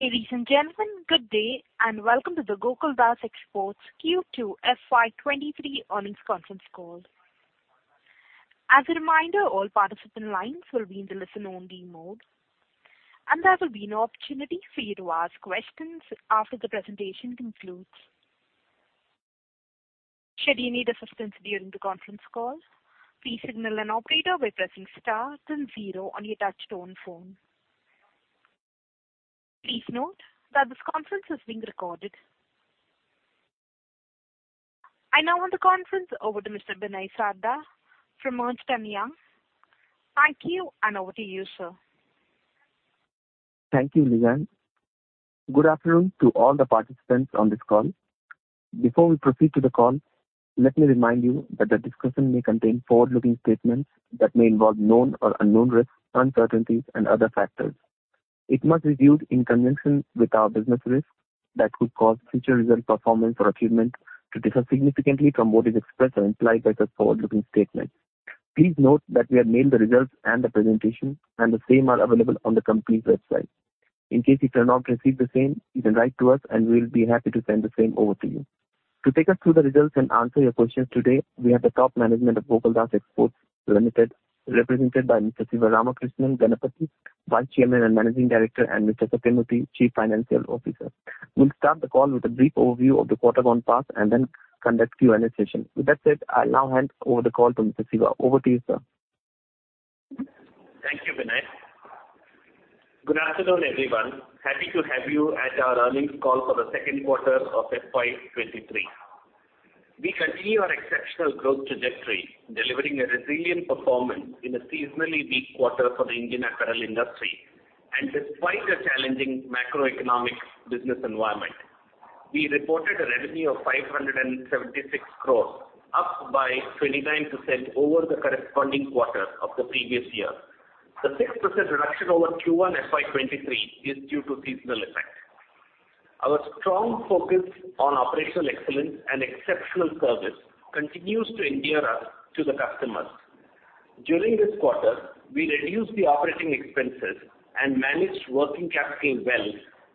Ladies and gentlemen, good day and welcome to the Gokaldas Exports Q2 FY 2023 earnings conference call. As a reminder, all participant lines will be in the listen-only mode, and there will be an opportunity for you to ask questions after the presentation concludes. Should you need assistance during the conference call, please signal an operator by pressing star then zero on your touch-tone phone. Please note that this conference is being recorded. I now want the conference over to Mr. Binay Sarda from Ernst & Young. Thank you, and over to you, sir. Thank you, Lizanne. Good afternoon to all the participants on this call. Before we proceed to the call, let me remind you that the discussion may contain forward-looking statements that may involve known or unknown risks, uncertainties, and other factors. It must be viewed in conjunction with our business risks that could cause future result performance or achievement to differ significantly from what is expressed or implied by such forward-looking statements. Please note that we have mailed the results and the presentation, and the same are available on the company's website. In case you have not received the same, you can write to us, and we will be happy to send the same over to you. To take us through the results and answer your questions today, we have the top management of Gokaldas Exports Limited, represented by Mr. Sivaramakrishnan Ganapathi, Vice Chairman and Managing Director, and Mr. Sathyamurthy, Chief Financial Officer. We'll start the call with a brief overview of the quarter gone past and then conduct Q&A session. With that said, I'll now hand over the call to Mr. Siva. Over to you, sir. Thank you, Binay. Good afternoon, everyone. Happy to have you at our earnings call for the Q2 of FY 2023. We continue our exceptional growth trajectory, delivering a resilient performance in a seasonally weak quarter for the Indian apparel industry, and despite the challenging macroeconomic business environment, we reported a revenue of 576 crores, up by 29% over the corresponding quarter of the previous year. The 6% reduction over Q1 FY 2023 is due to seasonal effect. Our strong focus on operational excellence and exceptional service continues to endear us to the customers. During this quarter, we reduced the operating expenses and managed working capital well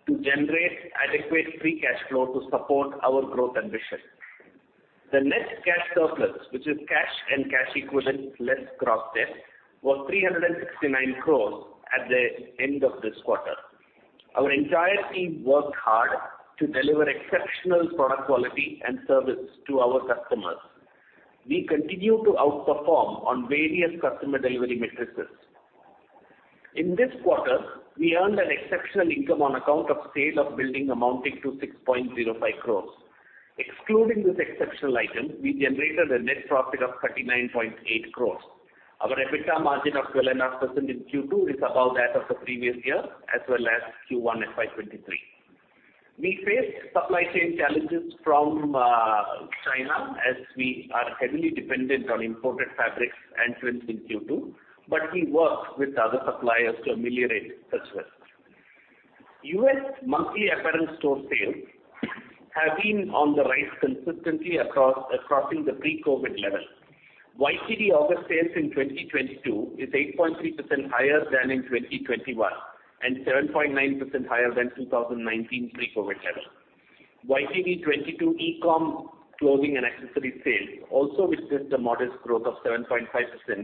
to generate adequate free cash flow to support our growth ambitions. The net cash surplus, which is cash and cash equivalent less gross debt, was 369 crores at the end of this quarter. Our entire team worked hard to deliver exceptional product quality and service to our customers. We continue to outperform on various customer delivery metrics. In this quarter, we earned an exceptional income on account of sale of building amounting to 6.05 crores. Excluding this exceptional item, we generated a net profit of 39.8 crores. Our EBITDA margin of 12.5% in Q2 is above that of the previous year as well as Q1 FY 2023. We faced supply chain challenges from China as we are heavily dependent on imported fabrics and trims in Q2, but we worked with other suppliers to ameliorate such risks. U.S. monthly apparel store sales have been on the rise consistently, crossing the pre-COVID level. YTD August sales in 2022 is 8.3% higher than in 2021 and 7.9% higher than 2019 pre-COVID level. YTD 2022 e-com clothing and accessories sales also witnessed a modest growth of 7.5%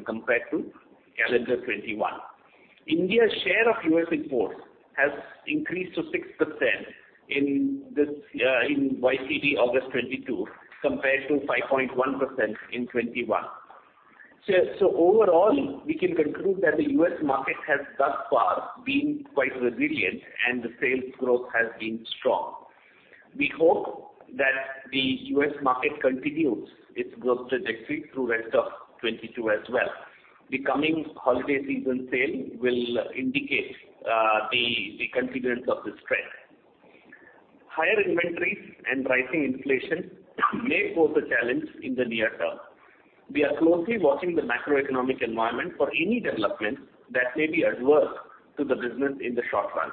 compared to calendar 2021. India's share of U.S. imports has increased to 6% in YTD August 2022 compared to 5.1% in 2021. So overall, we can conclude that the U.S. market has thus far been quite resilient, and the sales growth has been strong. We hope that the U.S. market continues its growth trajectory through the rest of 2022 as well. The coming holiday season sale will indicate the continuance of this trend. Higher inventories and rising inflation may pose a challenge in the near term. We are closely watching the macroeconomic environment for any developments that may be adverse to the business in the short run.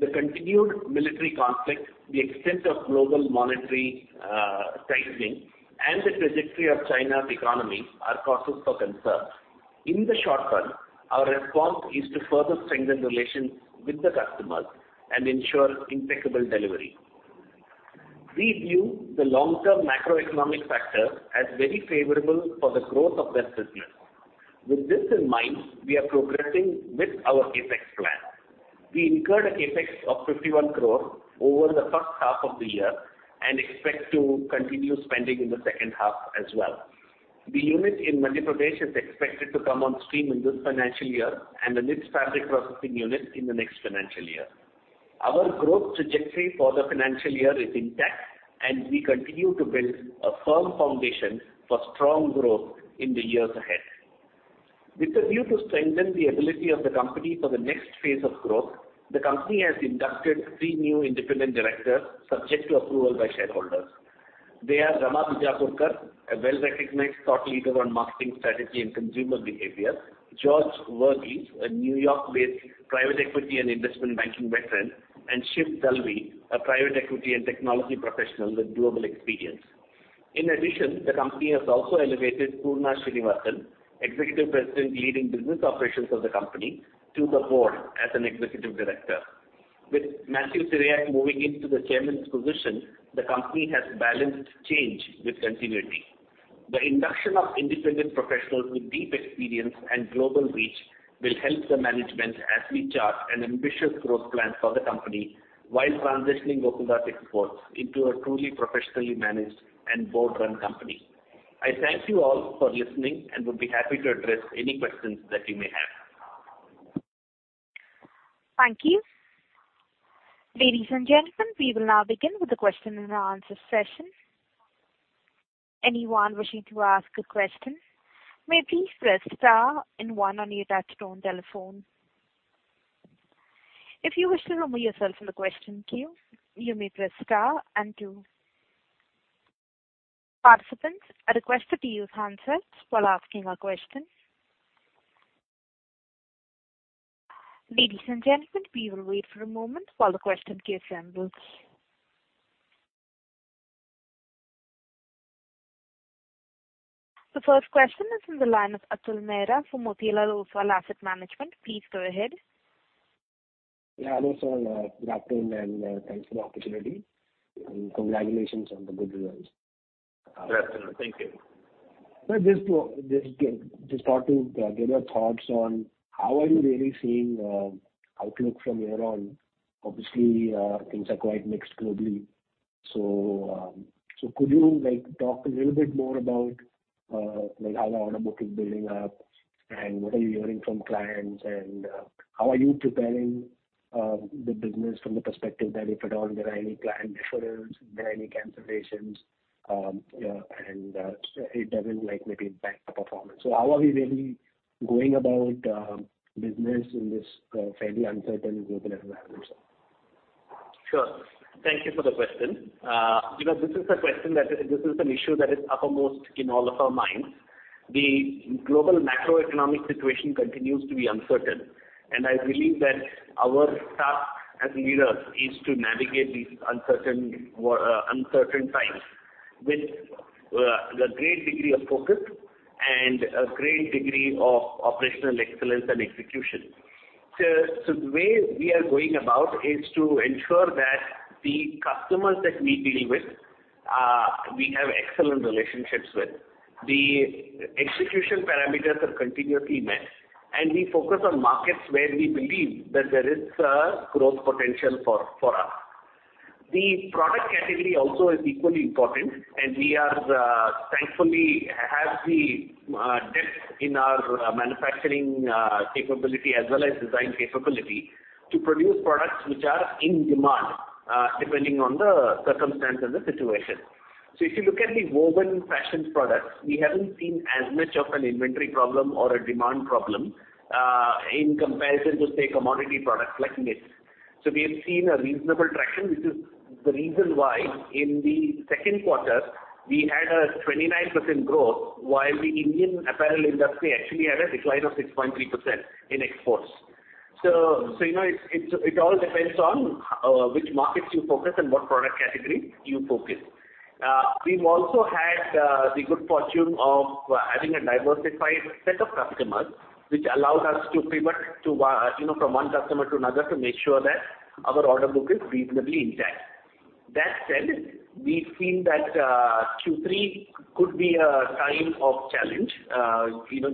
The continued military conflict, the extent of global monetary tightening, and the trajectory of China's economy are causes for concern. In the short run, our response is to further strengthen relations with the customers and ensure impeccable delivery. We view the long-term macroeconomic factors as very favorable for the growth of their business. With this in mind, we are progressing with our CapEx plan. We incurred a CapEx of 51 crore over the first half of the year and expect to continue spending in the second half as well. The unit in Madhya Pradesh is expected to come on stream in this financial year and the next fabric processing unit in the next financial year. Our growth trajectory for the financial year is intact, and we continue to build a firm foundation for strong growth in the years ahead. With a view to strengthen the ability of the company for the next phase of growth, the company has inducted three new independent directors subject to approval by shareholders. They are Rama Bijapurkar, a well-recognized thought leader on marketing strategy and consumer behavior. George Varughese, a New York-based private equity and investment banking veteran. And Shiv Dalvie, a private equity and technology professional with durable experience. In addition, the company has also elevated Poorna Srinivasan, Executive President leading business operations of the company, to the board as an Executive Director. With Mathew Cyriac moving into the chairman's position, the company has balanced change with continuity. The induction of independent professionals with deep experience and global reach will help the management as we chart an ambitious growth plan for the company while transitioning Gokaldas Exports into a truly professionally managed and board-run company. I thank you all for listening and would be happy to address any questions that you may have. Thank you. Ladies and gentlemen, we will now begin with the Q&A session. Anyone wishing to ask a question, may please press star and one on your touch-tone telephone. If you wish to remove yourself from the question queue, you may press star and two. Participants, I request that you use hands-free while asking a question. Ladies and gentlemen, we will wait for a moment while the question queue assembles. The first question is from the line of Atul Mehra from Motilal Oswal Asset Management. Please go ahead. Yeah, hello sir. Good afternoon and thanks for the opportunity. Congratulations on the good results. Yes, sir. Thank you. Sir, just to start to get your thoughts on how are you really seeing outlook from year-on? Obviously, things are quite mixed globally. So could you talk a little bit more about how the order book is building up and what are you hearing from clients, and how are you preparing the business from the perspective that if at all there are any planned deferrals, there are any cancellations, and it doesn't maybe impact the performance? So how are we really going about business in this fairly uncertain global environment, sir? Sure. Thank you for the question. This is an issue that is uppermost in all of our minds. The global macroeconomic situation continues to be uncertain, and I believe that our task as leaders is to navigate these uncertain times with a great degree of focus and a great degree of operational excellence and execution. So the way we are going about is to ensure that the customers that we deal with, we have excellent relationships with. The execution parameters are continuously met, and we focus on markets where we believe that there is growth potential for us. The product category also is equally important, and we thankfully have the depth in our manufacturing capability as well as design capability to produce products which are in demand depending on the circumstances and situations. So if you look at the woven fashion products, we haven't seen as much of an inventory problem or a demand problem in comparison to, say, commodity products like knits. So we have seen a reasonable traction, which is the reason why in the Q2, we had a 29% growth while the Indian apparel industry actually had a decline of 6.3% in exports. So it all depends on which markets you focus and what product category you focus. We've also had the good fortune of having a diversified set of customers, which allowed us to pivot from one customer to another to make sure that our order book is reasonably intact. That said, we've seen that Q3 could be a time of challenge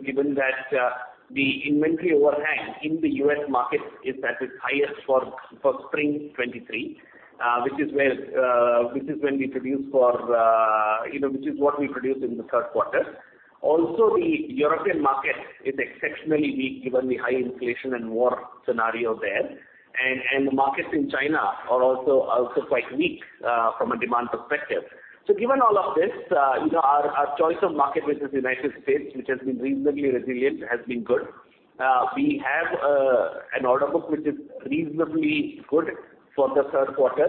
given that the inventory overhang in the U.S. market is at its highest for spring 2023, which is where this is when we produce for which is what we produce in the Q3. Also, the European market is exceptionally weak given the high inflation and war scenario there, and the markets in China are also quite weak from a demand perspective. So given all of this, our choice of market, which is the United States, which has been reasonably resilient, has been good. We have an order book which is reasonably good for the Q3.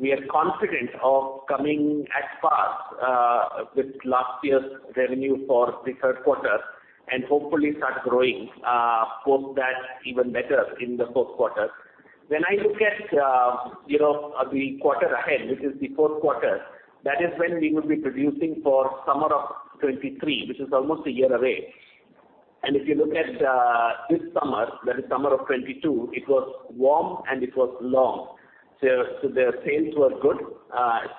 We are confident of coming at par with last year's revenue for the Q3 and hopefully start growing. Of course, that's even better in the Q4. When I look at the quarter ahead, which is the Q4, that is when we will be producing for summer of 2023, which is almost a year away. If you look at this summer, that is summer of 2022, it was warm and it was long. So the sales were good,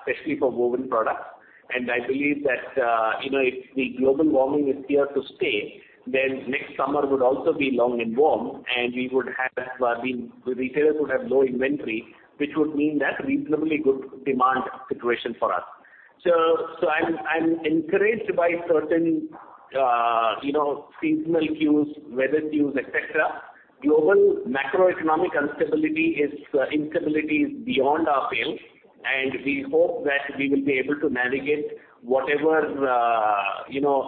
especially for woven products. I believe that if the global warming is here to stay, then next summer would also be long and warm, and we would have been retailers would have low inventory, which would mean that reasonably good demand situation for us. So I'm encouraged by certain seasonal cues, weather cues, etc. Global macroeconomic instability is beyond our pale, and we hope that we will be able to navigate whatever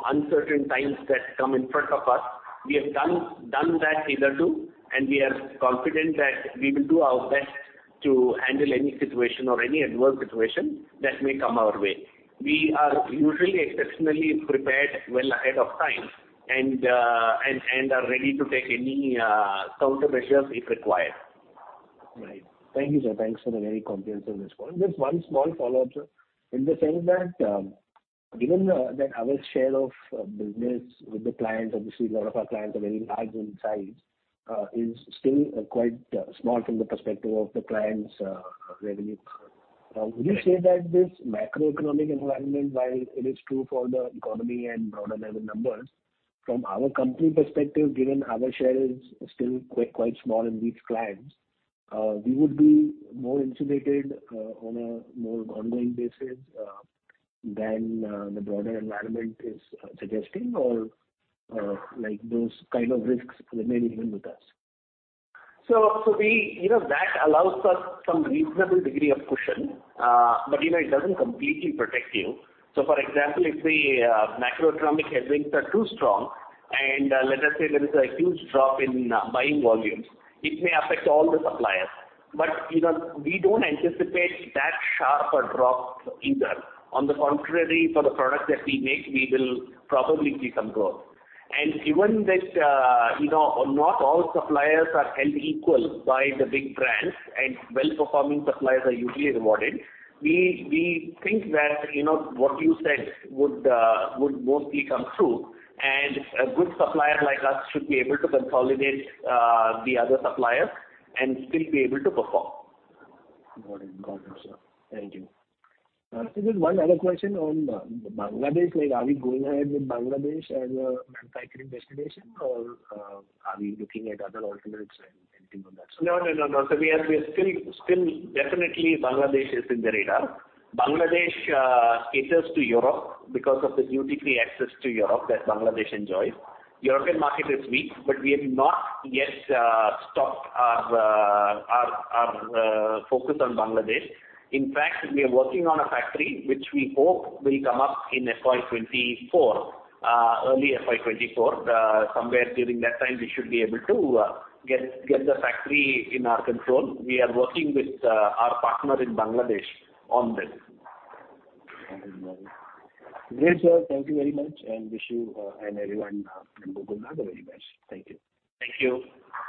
uncertain times that come in front of us. We have done that hitherto, and we are confident that we will do our best to handle any situation or any adverse situation that may come our way. We are usually exceptionally prepared well ahead of time and are ready to take any countermeasures if required. Right. Thank you, sir. Thanks for the very comprehensive response. Just one small follow-up, sir, in the sense that given that our share of business with the clients obviously, a lot of our clients are very large in size, is still quite small from the perspective of the client's revenue. Would you say that this macroeconomic environment, while it is true for the economy and broader-level numbers, from our company perspective, given our share is still quite small in these clients, we would be more insulated on a more ongoing basis than the broader environment is suggesting, or those kind of risks remain even with us? So that allows us some reasonable degree of cushion, but it doesn't completely protect you. So for example, if the macroeconomic headwinds are too strong and let us say there is a huge drop in buying volumes, it may affect all the suppliers. But we don't anticipate that sharper drop either. On the contrary, for the product that we make, we will probably see some growth. And given that not all suppliers are held equal by the big brands and well-performing suppliers are usually rewarded, we think that what you said would mostly come true, and a good supplier like us should be able to consolidate the other suppliers and still be able to perform. Got it. Got it, sir. Thank you. So just one other question on Bangladesh. Are we going ahead with Bangladesh as a manufacturing destination, or are we looking at other alternatives and anything like that, sir? No, no, no, no. So we are still definitely Bangladesh is in the radar. Bangladesh caters to Europe because of the duty-free access to Europe that Bangladesh enjoys. European market is weak, but we have not yet stopped our focus on Bangladesh. In fact, we are working on a factory which we hope will come up in FY 2024, early FY 2024. Somewhere during that time, we should be able to get the factory in our control. We are working with our partner in Bangladesh on this. Okay. Great, sir. Thank you very much and wish you and everyone in Gokaldas very much. Thank you. Thank you.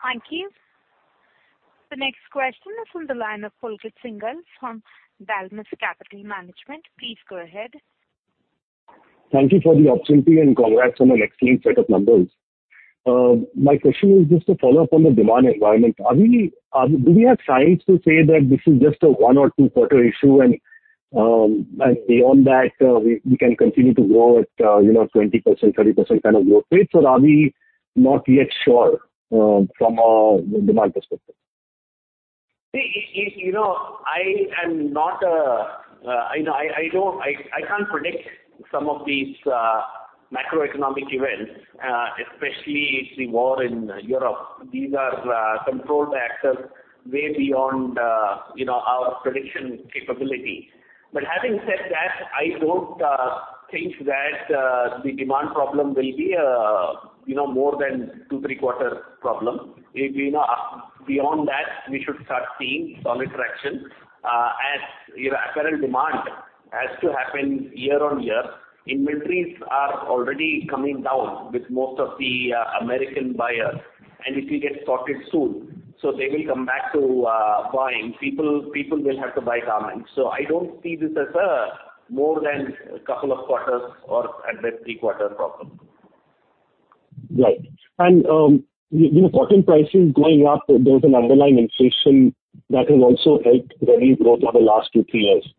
Thank you. The next question is from the line of Pulkit Singhal from Dalmus Capital Management. Please go ahead. Thank you for the opportunity and congrats on an excellent set of numbers. My question is just to follow up on the demand environment. Do we have science to say that this is just a one or two-quarter issue and beyond that we can continue to grow at 20%, 30% kind of growth rates, or are we not yet sure from a demand perspective? See, I am not, I can't predict some of these macroeconomic events, especially the war in Europe. These are controlled by actors way beyond our prediction capability. But having said that, I don't think that the demand problem will be more than two, three-quarter problem. Beyond that, we should start seeing solid traction as apparel demand has to happen year-on-year. Inventories are already coming down with most of the American buyers, and it will get sorted soon. So they will come back to buying. People will have to buy garments. So I don't see this as more than a couple of quarters or at best three-quarter problem. Right. And cotton prices going up, there's an underlying inflation that has also helped revenue growth over the last 2 to 3 years.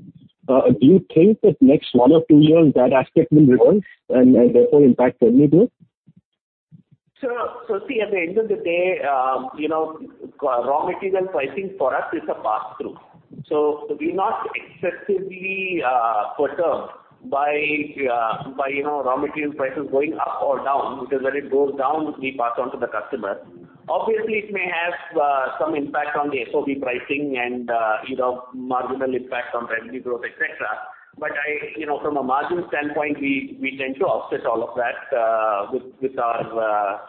Do you think that next 1 or 2 years, that aspect will reverse and therefore impact revenue growth? So see, at the end of the day, raw material pricing for us is a pass-through. So we're not excessively perturbed by raw material prices going up or down because when it goes down, we pass on to the customer. Obviously, it may have some impact on the FOB pricing and marginal impact on revenue growth, etc. But from a margin standpoint, we tend to offset all of that with our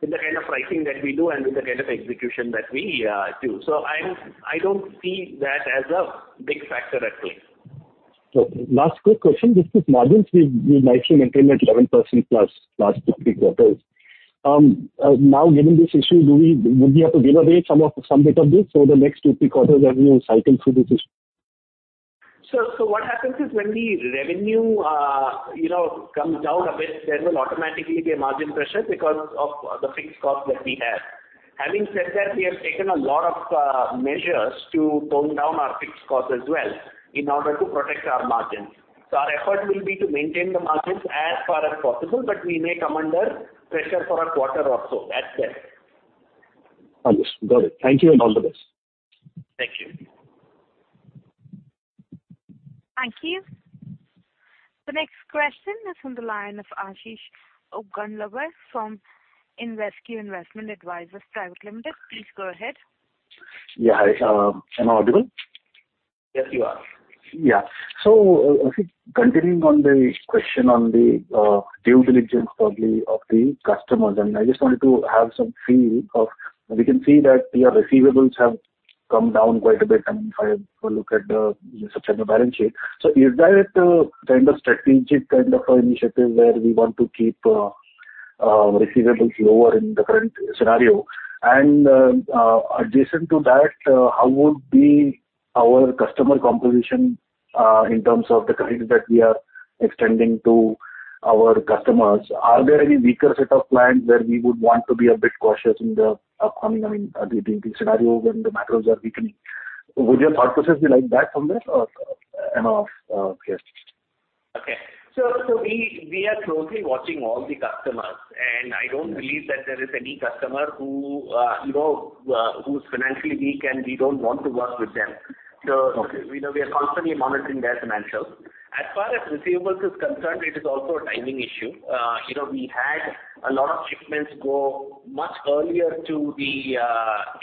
with the kind of pricing that we do and with the kind of execution that we do. So I don't see that as a big factor at play. Okay. Last quick question. This is margins. We've nicely maintained at 11% plus last two, three quarters. Now, given this issue, would we have to give away some bit of this over the next two, three quarters as you cycle through this issue? So what happens is when the revenue comes down a bit, there will automatically be a margin pressure because of the fixed costs that we have. Having said that, we have taken a lot of measures to tone down our fixed costs as well in order to protect our margins. So our effort will be to maintain the margins as far as possible, but we may come under pressure for a quarter or so. That's that. Understood. Got it. Thank you and all the best. Thank you. Thank you. The next question is from the line of Ashish Agrawal from Invesco Investment Advisors. Please go ahead. Yeah. Hi. Am I audible? Yes, you are. Yeah. So continuing on the question on the due diligence probably of the customers, and I just wanted to have some feel of we can see that your receivables have come down quite a bit. I mean, if I look at the September balance sheet, so is that kind of strategic kind of initiative where we want to keep receivables lower in the current scenario? And adjacent to that, how would be our customer composition in terms of the credits that we are extending to our customers? Are there any weaker set of clients where we would want to be a bit cautious in the upcoming, I mean, the scenario when the macros are weakening? Would your thought process be like that somewhere, or? I don't know. Yes. Okay. So we are closely watching all the customers, and I don't believe that there is any customer who is financially weak, and we don't want to work with them. So we are constantly monitoring their financials. As far as receivables is concerned, it is also a timing issue. We had a lot of shipments go much earlier to the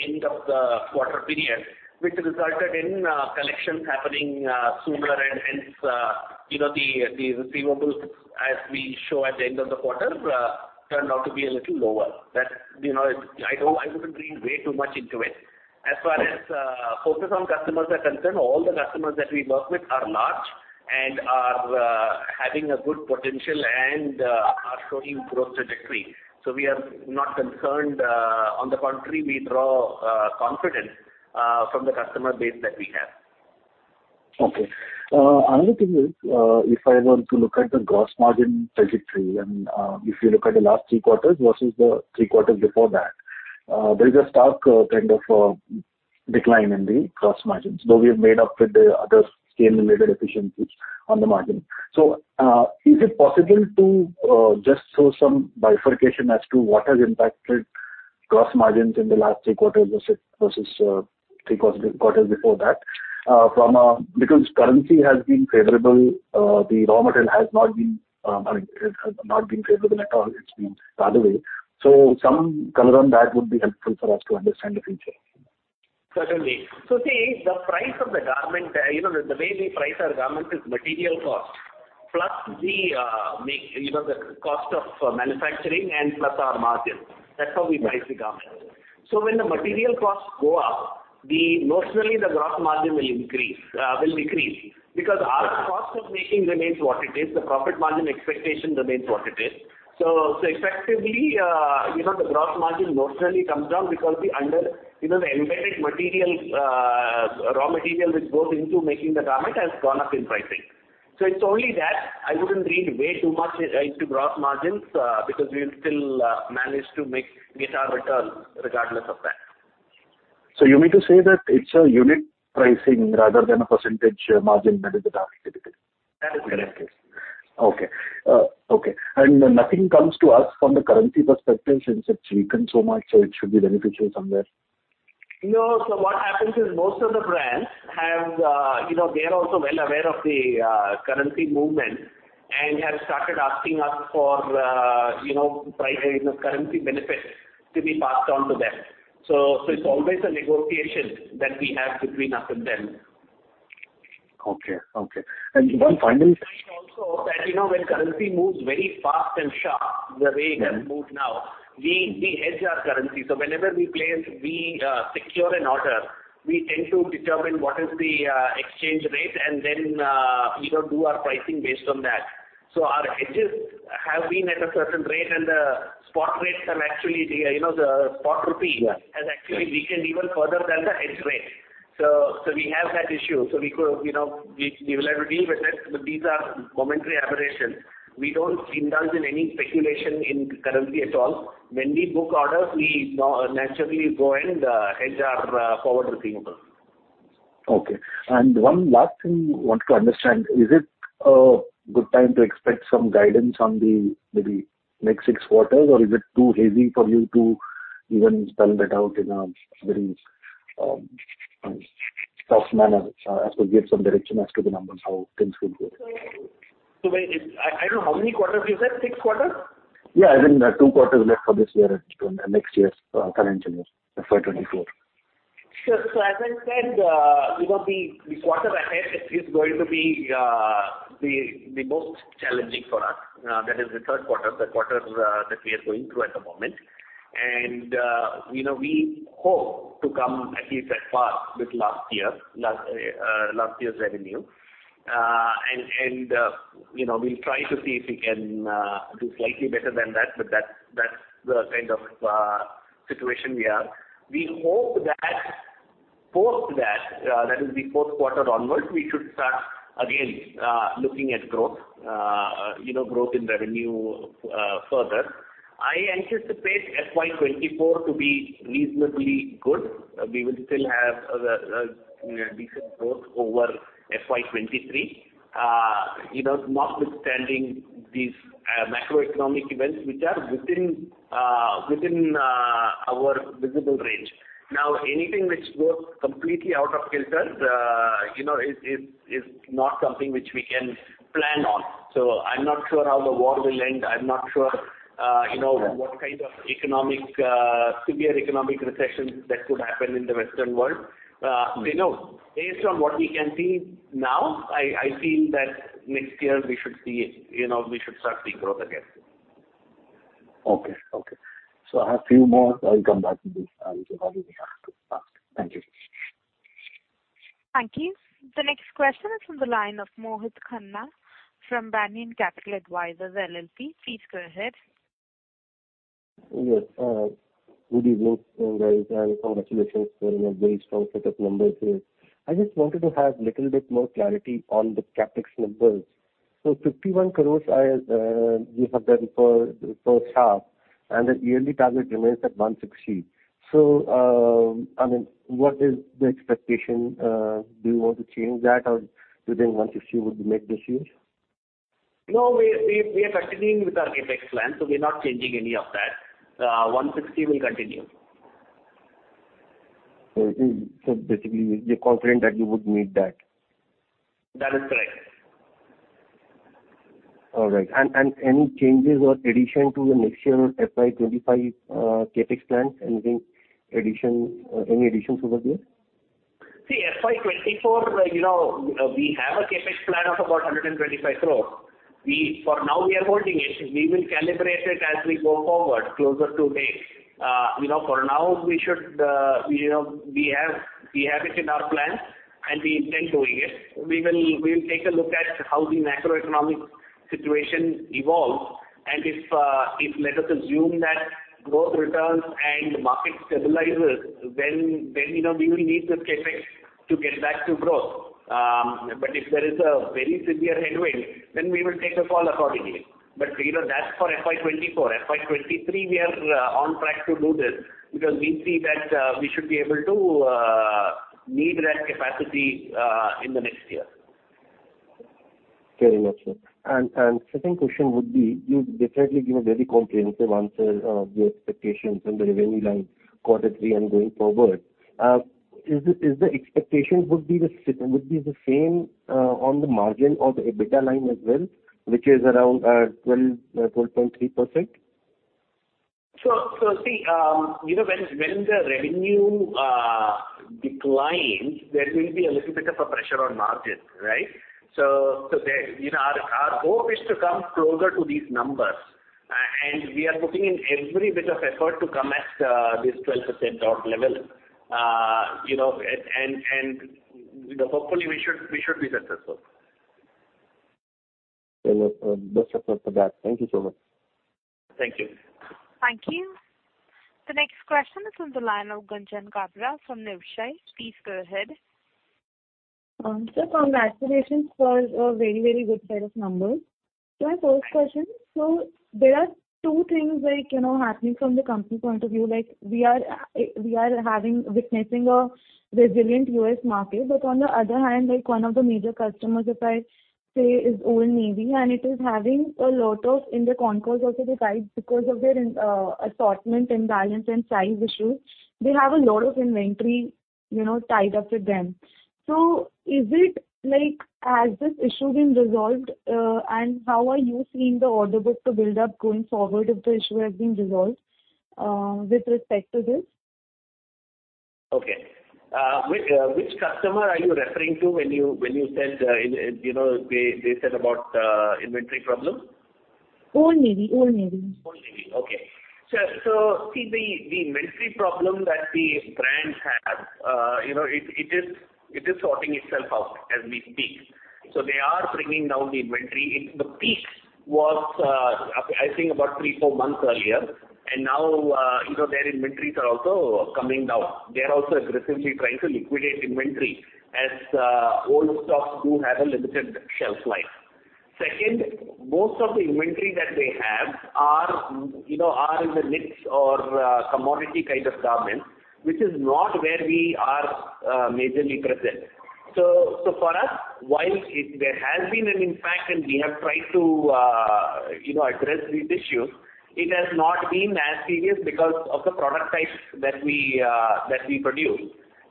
end of the quarter period, which resulted in collections happening sooner, and hence, the receivables, as we show at the end of the quarter, turned out to be a little lower. I wouldn't read way too much into it. As far as focus on customers are concerned, all the customers that we work with are large and are having a good potential and are showing growth trajectory. So we are not concerned. On the contrary, we draw confidence from the customer base that we have. Okay. Another thing is, if I were to look at the gross margin trajectory, and if you look at the last three quarters versus the three quarters before that, there is a stark kind of decline in the gross margins, though we have made up with the other scale-related efficiencies on the margins. So is it possible to just show some bifurcation as to what has impacted gross margins in the last three quarters versus three quarters before that because currency has been favorable, the raw material has not been, I mean, it has not been favorable at all. It's been the other way. So some color on that would be helpful for us to understand the future. Certainly. So see, the price of the garment the way we price our garments is material cost plus the cost of manufacturing and plus our margin. That's how we price the garments. So when the material costs go up, notionally, the gross margin will decrease because our cost of making remains what it is. The profit margin expectation remains what it is. So effectively, the gross margin notionally comes down because the embedded raw material which goes into making the garment has gone up in pricing. So it's only that. I wouldn't read way too much into gross margins because we'll still manage to get our returns regardless of that. So you mean to say that it's a unit pricing rather than a percentage margin that is the targeted? That is correct. In that case? Okay. Okay. And nothing comes to us from the currency perspective since it's weakened so much, so it should be beneficial somewhere? No. So what happens is most of the brands have they are also well aware of the currency movement and have started asking us for currency benefits to be passed on to them. So it's always a negotiation that we have between us and them. Okay. Okay. And one final. Also, that when currency moves very fast and sharp, the way it has moved now, we hedge our currency. So whenever we secure an order, we tend to determine what is the exchange rate and then do our pricing based on that. So our hedges have been at a certain rate, and the spot rates have actually the spot rupee has actually weakened even further than the hedge rate. So we will have to deal with it, but these are momentary aberrations. We don't indulge in any speculation in currency at all. When we book orders, we naturally go and hedge our forward receivables. Okay. And one last thing I wanted to understand. Is it a good time to expect some guidance on the maybe next six quarters, or is it too hazy for you to even spell that out in a very soft manner as to give some direction as to the numbers, how things could go? So wait. I don't know. How many quarters you said? six quarters? Yeah. I mean, two quarters left for this year and next year's financial year, FY 2024. As I said, the quarter ahead is going to be the most challenging for us. That is the Q3, the quarter that we are going through at the moment. We hope to come at least as far with last year's revenue. We'll try to see if we can do slightly better than that, but that's the kind of situation we are. We hope that post that, that is, the Q4 onward, we should start again looking at growth in revenue further. I anticipate FY 2024 to be reasonably good. We will still have decent growth over FY 2023, notwithstanding these macroeconomic events which are within our visible range. Now, anything which goes completely out of kilter is not something which we can plan on. I'm not sure how the war will end. I'm not sure what kind of severe economic recessions that could happen in the Western world. So no, based on what we can see now, I feel that next year, we should start seeing growth again. Okay. Okay. So I have a few more. I'll come back to this and whatever you have to ask. Thank you. Thank you. The next question is from the line of Mohit Khanna from Banyan Capital Advisors LLP. Please go ahead. Yes. Good evening, guys, and congratulations for a very strong set of numbers here. I just wanted to have a little bit more clarity on the CapEx numbers. So 51 crore, you have done for the first half, and the yearly target remains at 160 crore. So I mean, what is the expectation? Do you want to change that, or do you think 160 would be met this year? No, we are continuing with our CapEx plan, so we're not changing any of that. 160 will continue. Basically, you're confident that you would meet that? That is correct. All right. Any changes or addition to the next year FY 2025 CapEx plan? Any additions over there? See, FY 2024, we have a CapEx plan of about 125 crore. For now, we are holding it. We will calibrate it as we go forward closer to May. For now, we should have it in our plans, and we intend doing it. We will take a look at how the macroeconomic situation evolves. And if, let us assume that growth returns and market stabilizes, then we will need this CapEx to get back to growth. But if there is a very severe headwind, then we will take a call accordingly. But that's for FY 2024. FY 2023, we are on track to do this because we see that we should be able to meet that capacity in the next year. Very much so. And second question would be, you've definitely given a very comprehensive answer of your expectations on the revenue line Q3 and going forward. Is the expectation would be the same on the margin or the EBITDA line as well, which is around 12.3%? See, when the revenue declines, there will be a little bit of a pressure on margins, right? Our hope is to come closer to these numbers, and we are putting in every bit of effort to come at this 12% drop level. Hopefully, we should be successful. Very much so. Best effort for that. Thank you so much. Thank you. Thank you. The next question is from the line of Gunjan Kabra from Niveshaay. Please go ahead. So, from that, the question is for a very, very good set of numbers. To my first question, so there are two things happening from the company point of view. We are witnessing a resilient U.S. market, but on the other hand, one of the major customers, if I say, is Old Navy, and it is having a lot of inventory concerns, also the guidance because of their assortment imbalance and size issues; they have a lot of inventory tied up with them. So, has this issue been resolved, and how are you seeing the order book to build up going forward if the issue has been resolved with respect to this? Okay. Which customer are you referring to when you said they said about inventory problems? Old Navy. Old Navy. Old Navy. Okay. So see, the inventory problem that the brands have, it is sorting itself out as we speak. So they are bringing down the inventory. The peak was, I think, about 3 to 4 months earlier, and now their inventories are also coming down. They are also aggressively trying to liquidate inventory as old stocks do have a limited shelf life. Second, most of the inventory that they have are in the knits or commodity kind of garments, which is not where we are majorly present. So for us, while there has been an impact and we have tried to address these issues, it has not been as serious because of the product types that we produce.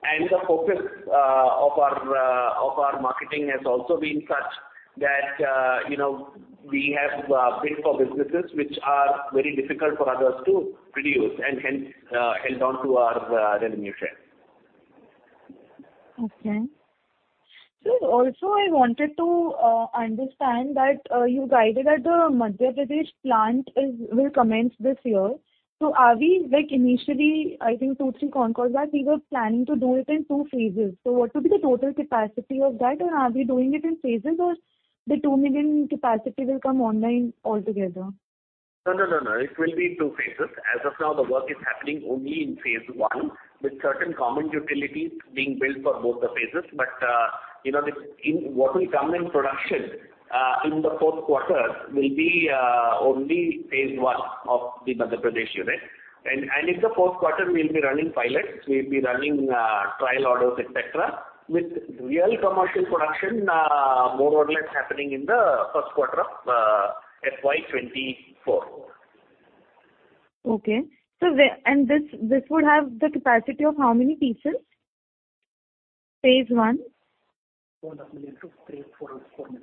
And the focus of our marketing has also been such that we have bid for businesses which are very difficult for others to produce and hence held on to our revenue share. Okay. So also, I wanted to understand that you guided that the Madhya Pradesh plant will commence this year. So are we initially, I think, two, three concalls that we were planning to do it in two phases. So what would be the total capacity of that, and are we doing it in phases, or the 2 million capacity will come online altogether? No, no, no, no. It will be two phases. As of now, the work is happening only in phase I with certain common utilities being built for both the phases. But what will come in production in the Q4 will be only phase I of the Madhya Pradesh unit. And in the Q4, we'll be running pilots. We'll be running trial orders, etc., with real commercial production more or less happening in the Q1 of FY 2024. Okay. And this would have the capacity of how many pieces? phase I? INR 2.5 million to 3.44 million.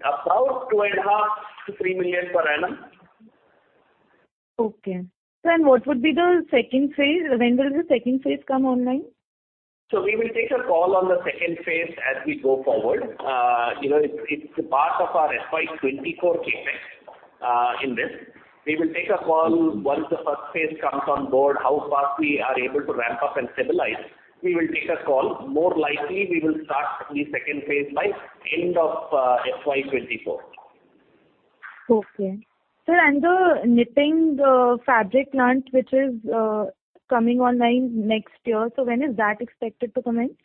About 2.5 million to 3 million per annum. Okay. And what would be the second phase? When will the second phase come online? So we will take a call on the second phase as we go forward. It's part of our FY 2024 CapEx in this. We will take a call once the first phase comes on board, how fast we are able to ramp up and stabilize. We will take a call. More likely, we will start the second phase by end of FY 2024. Okay. And the knitting fabric plant, which is coming online next year, so when is that expected to commence?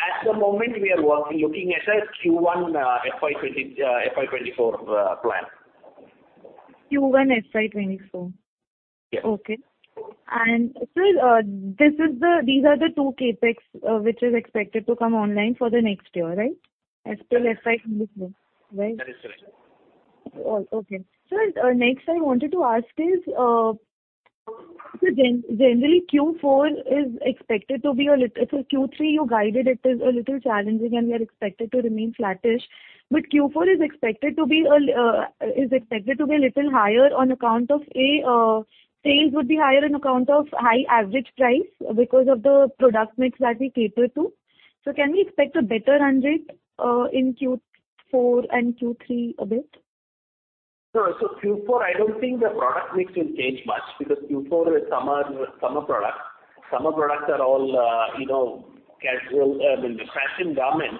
At the moment, we are looking at a Q1 FY 2024 plan. Q1 FY 2024? Yes. Okay. And so these are the two CapEx which is expected to come online for the next year, right? As per FY 2024, right? That is correct. Okay. So next, I wanted to ask is, so generally, Q4 is expected to be a little, so Q3, you guided it as a little challenging, and we are expected to remain flattish. But Q4 is expected to be a is expected to be a little higher on account of, A, sales would be higher on account of high average price because of the product mix that we cater to. So can we expect a better run rate in Q4 and Q3 a bit? So Q4, I don't think the product mix will change much because Q4 is summer products. Summer products are all casual I mean, fashion garments,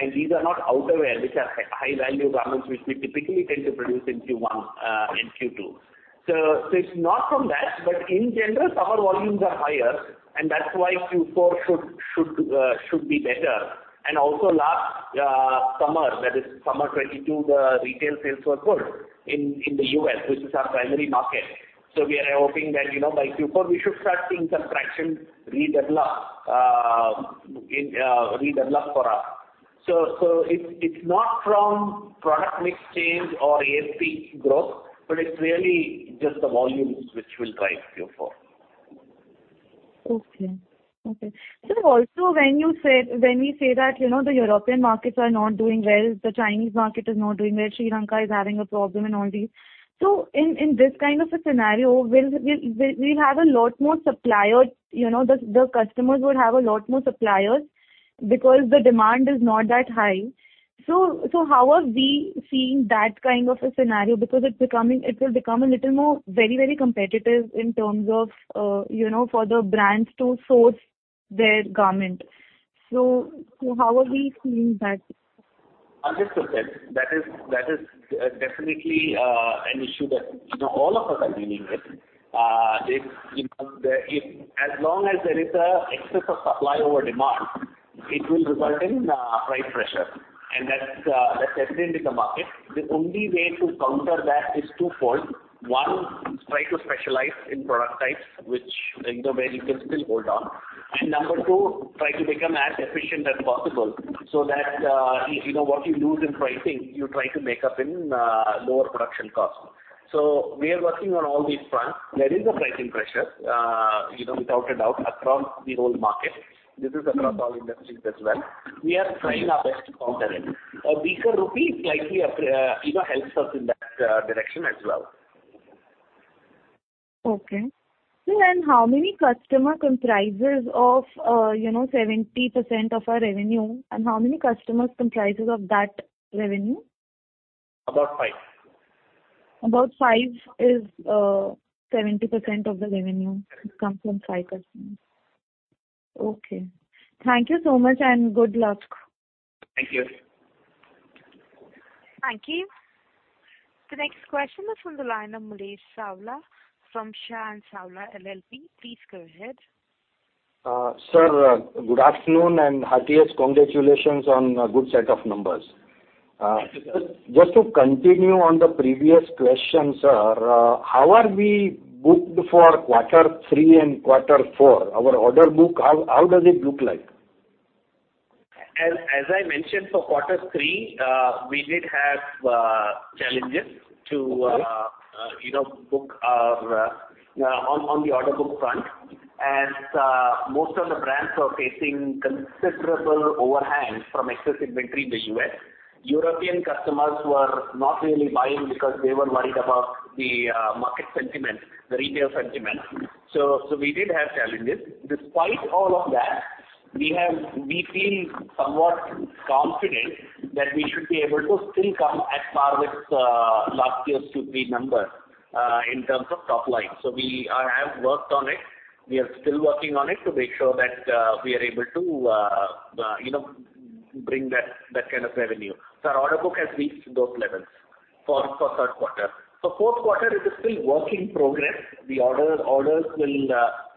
and these are not outerwear, which are high-value garments which we typically tend to produce in Q1 and Q2. So it's not from that, but in general, summer volumes are higher, and that's why Q4 should be better. And also, last summer, that is summer 2022, the retail sales were good in the U.S., which is our primary market. So we are hoping that by Q4, we should start seeing some traction redevelop for us. So it's not from product mix change or ASP growth, but it's really just the volumes which will drive Q4. Okay. Okay. So also, when you say, when we say that the European markets are not doing well, the Chinese market is not doing well, Sri Lanka is having a problem, and all these, so in this kind of a scenario, we'll have a lot more suppliers. The customers would have a lot more suppliers because the demand is not that high. So how are we seeing that kind of a scenario because it will become a little more very, very competitive in terms of for the brands to source their garment? So how are we seeing that? Understood, guys. That is definitely an issue that all of us are dealing with. As long as there is an excess of supply over demand, it will result in price pressure, and that's evident in the market. The only way to counter that is twofold. One, try to specialize in product types where you can still hold on. And number two, try to become as efficient as possible so that what you lose in pricing, you try to make up in lower production costs. So we are working on all these fronts. There is a pricing pressure, without a doubt, across the whole market. This is across all industries as well. We are trying our best to counter it. A deeper rupee slightly helps us in that direction as well. Okay. How many customers comprises of 70% of our revenue, and how many customers comprises of that revenue? About five. About five is 70% of the revenue. It comes from five customers. Okay. Thank you so much, and good luck. Thank you. Thank you. The next question is from the line of Mulesh Savla from Shah & Savla LLP. Please go ahead. Sir, good afternoon and happiest congratulations on a good set of numbers. Just to continue on the previous question, sir, how are we booked for Q3 and Q4? Our order book, how does it look like? As I mentioned, for Q3, we did have challenges to book on the order book front. Most of the brands were facing considerable overhang from excess inventory in the U.S. European customers were not really buying because they were worried about the market sentiment, the retail sentiment. So we did have challenges. Despite all of that, we feel somewhat confident that we should be able to still come as far as last year's Q3 numbers in terms of top line. So we have worked on it. We are still working on it to make sure that we are able to bring that kind of revenue. So our order book has reached those levels for Q3. For Q4, it is still work in progress. The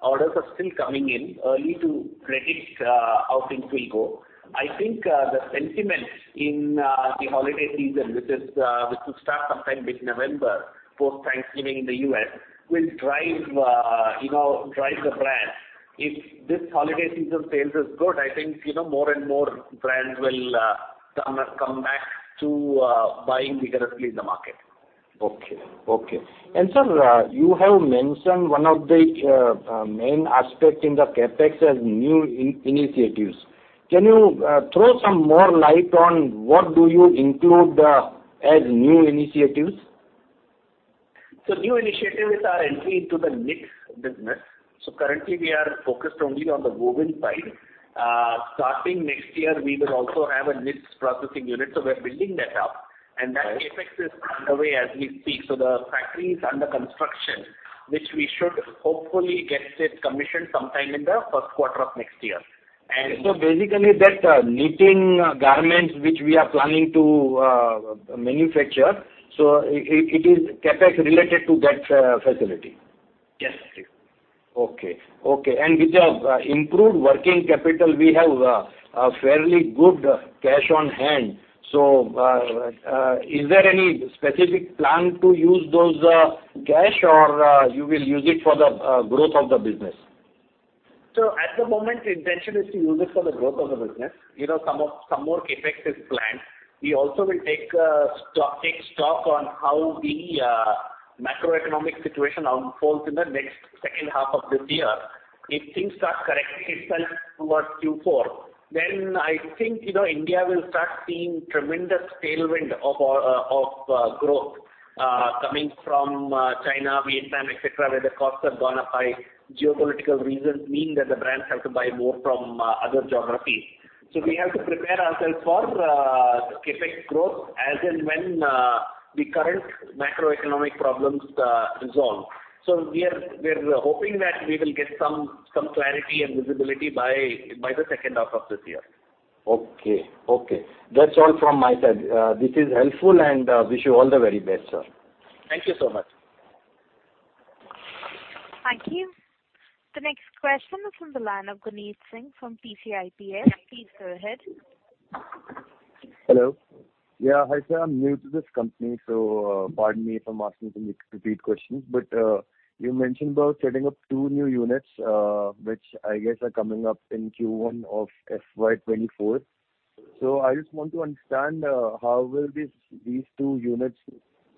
orders are still coming in; too early to predict how things will go. I think the sentiment in the holiday season, which will start sometime mid-November post-Thanksgiving in the U.S., will drive the brands. If this holiday season sales are good, I think more and more brands will come back to buying vigorously in the market. Okay. Okay. Sir, you have mentioned one of the main aspects in the CapEx as new initiatives. Can you throw some more light on what do you include as new initiatives? So new initiative is our entry into the knits business. So currently, we are focused only on the woven side. Starting next year, we will also have a knits processing unit. So we're building that up, and that CapEx is underway as we speak. So the factory is under construction, which we should hopefully get commissioned sometime in the Q1 of next year. Basically, that knitting garments which we are planning to manufacture, so it is CapEx related to that facility? Yes, please. Okay. Okay. With the improved working capital, we have fairly good cash on hand. So is there any specific plan to use those cash, or you will use it for the growth of the business? So at the moment, the intention is to use it for the growth of the business. Some more CapEx is planned. We also will take stock on how the macroeconomic situation unfolds in the next second half of this year. If things start correcting itself towards Q4, then I think India will start seeing tremendous tailwind of growth coming from China, Vietnam, etc., where the costs have gone up by geopolitical reasons mean that the brands have to buy more from other geographies. So we have to prepare ourselves for CapEx growth as and when the current macroeconomic problems resolve. So we're hoping that we will get some clarity and visibility by the second half of this year. Okay. Okay. That's all from my side. This is helpful, and I wish you all the very best, sir. Thank you so much. Thank you. The next question is from the line of Guneet Singh from PCIPS. Please go ahead. Hello. Yeah, hi sir. I'm new to this company, so pardon me for asking some repeat questions. But you mentioned about setting up two new units, which I guess are coming up in Q1 of FY 2024. So I just want to understand how will these two units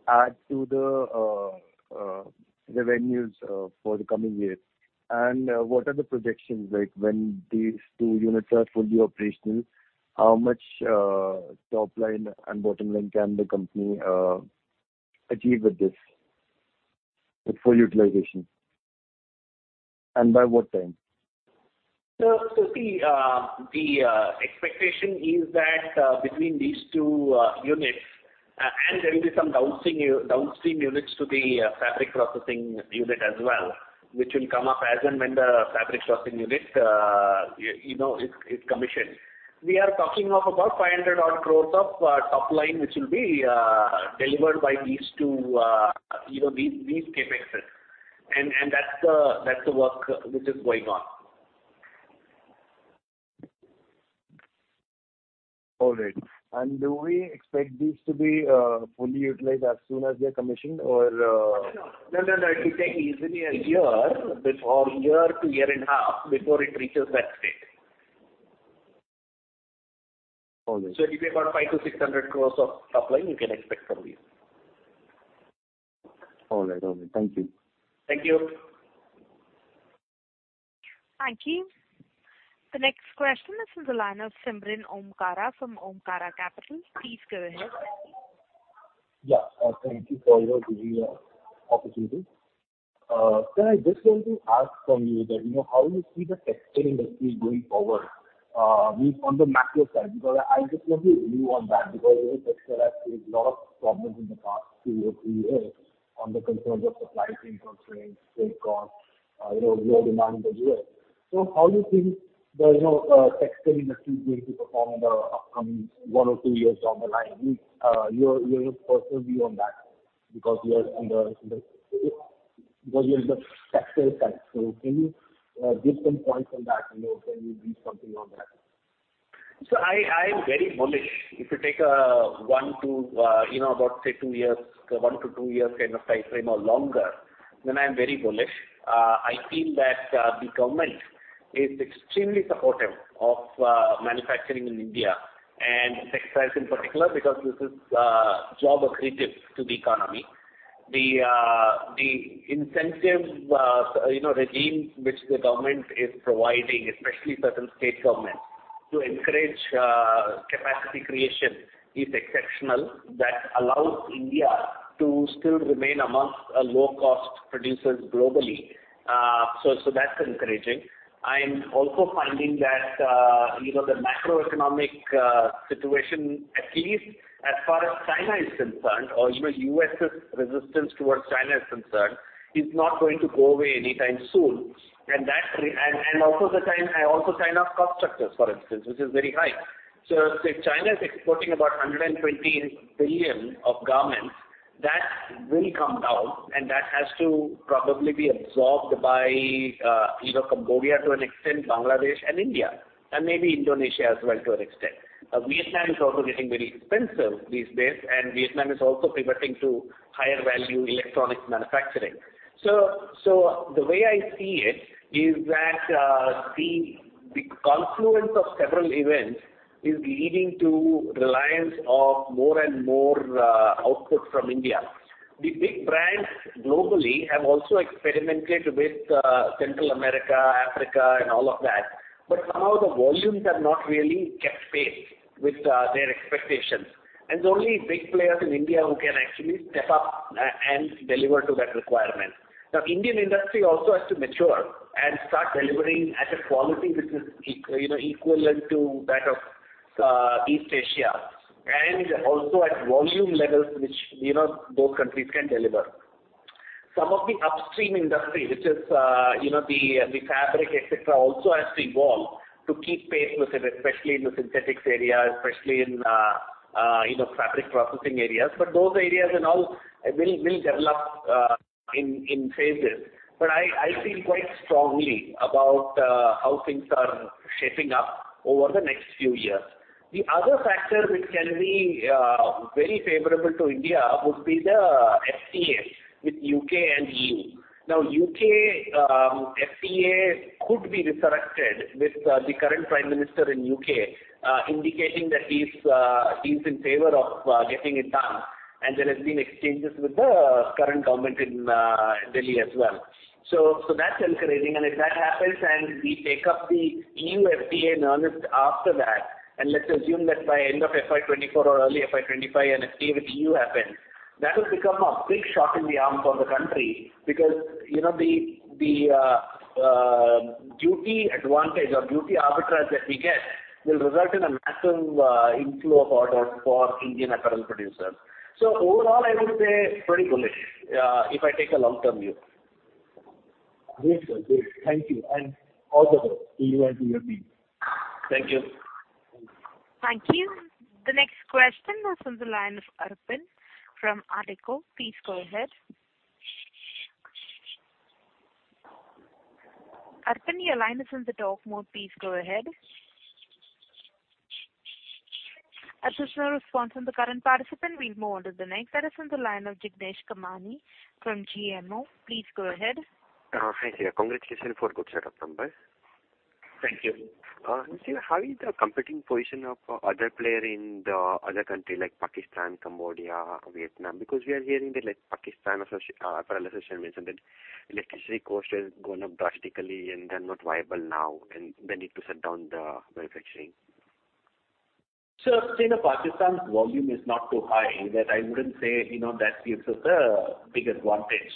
add to the revenues for the coming years, and what are the projections? When these two units are fully operational, how much top line and bottom line can the company achieve with this for utilization, and by what time? So the expectation is that between these two units, and there will be some downstream units to the fabric processing unit as well, which will come up as and when the fabric processing unit is commissioned. We are talking of about 500-odd crore of top line, which will be delivered by these two CapExes. That's the work which is going on. All right. Do we expect these to be fully utilized as soon as they're commissioned, or? No, no, no. No, no, no. It will take easily a year to year and a half before it reaches that state. So it will be about 500 to 600 crore of top line you can expect from these. All right. All right. Thank you. Thank you. Thank you. The next question is from the line of Simranjeet from Omkara Capital. Please go ahead. Yeah. Thank you for your giving me the opportunity. Sir, I just want to ask from you that how do you see the textile industry going forward on the macro side? Because I just want to view on that because the textile has faced a lot of problems in the past 2 or 3 years on the concerns of supply chain constraints, trade costs, low demand in the U.S. So how do you think the textile industry is going to perform in the upcoming 1 or 2years down the line? Your personal view on that because you're in the because you're in the textile side. So can you give some points on that? Can you read something on that? So I'm very bullish. If you take one to about, say, 2 years 1 to 2 years kind of timeframe or longer, then I'm very bullish. I feel that the government is extremely supportive of manufacturing in India and textiles in particular because this is job-accretive to the economy. The incentive regime which the government is providing, especially certain state governments, to encourage capacity creation is exceptional. That allows India to still remain amongst low-cost producers globally. So that's encouraging. I'm also finding that the macroeconomic situation, at least as far as China is concerned, or U.S.'s resistance towards China is concerned, is not going to go away anytime soon. And also China's cost structures, for instance, which is very high. So say China is exporting about $120 billion of garments. That will come down, and that has to probably be absorbed by Cambodia to an extent, Bangladesh, and India, and maybe Indonesia as well to an extent. Vietnam is also getting very expensive these days, and Vietnam is also pivoting to higher-value electronics manufacturing. So the way I see it is that the confluence of several events is leading to reliance on more and more output from India. The big brands globally have also experimented with Central America, Africa, and all of that, but somehow the volumes have not really kept pace with their expectations. It's only big players in India who can actually step up and deliver to that requirement. Now, the Indian industry also has to mature and start delivering at a quality which is equivalent to that of East Asia and also at volume levels which those countries can deliver. Some of the upstream industry, which is the fabric, etc., also has to evolve to keep pace with it, especially in the synthetics area, especially in fabric processing areas. Those areas and all will develop in phases. I feel quite strongly about how things are shaping up over the next few years. The other factor which can be very favorable to India would be the FTA with the U.K. and E.U. Now, the U.K. FTA could be resurrected with the current Prime Minister in the U.K. indicating that he's in favor of getting it done. There have been exchanges with the current government in Delhi as well. That's encouraging. If that happens and we take up the EU FTA in earnest after that, and let's assume that by the end of FY 2024 or early FY 2025, an FTA with the E.U. happens, that will become a big shot in the arm for the country because the duty advantage or duty arbitrage that we get will result in a massive inflow of orders for Indian apparel producers. So overall, I would say pretty bullish if I take a long-term view. Yes, sir. Great. Thank you. All the best to you and to your team. Thank you. Thank you. The next question is from the line of Arpan from Adecco. Please go ahead. Arpan, your line is in the talk mode. Please go ahead. As there's no response from the current participant, we'll move on to the next. That is from the line of Jignesh Kamani from GMO. Please go ahead. Thank you. Congratulations for a good setup number. Thank you. Sir, how is the competing position of other players in the other country like Pakistan, Cambodia, Vietnam? Because we are hearing that Pakistan Apparel Association mentioned that electricity cost has gone up drastically, and they're not viable now, and they need to shut down the manufacturing. Sir, Pakistan's volume is not too high that I wouldn't say that gives us a big advantage.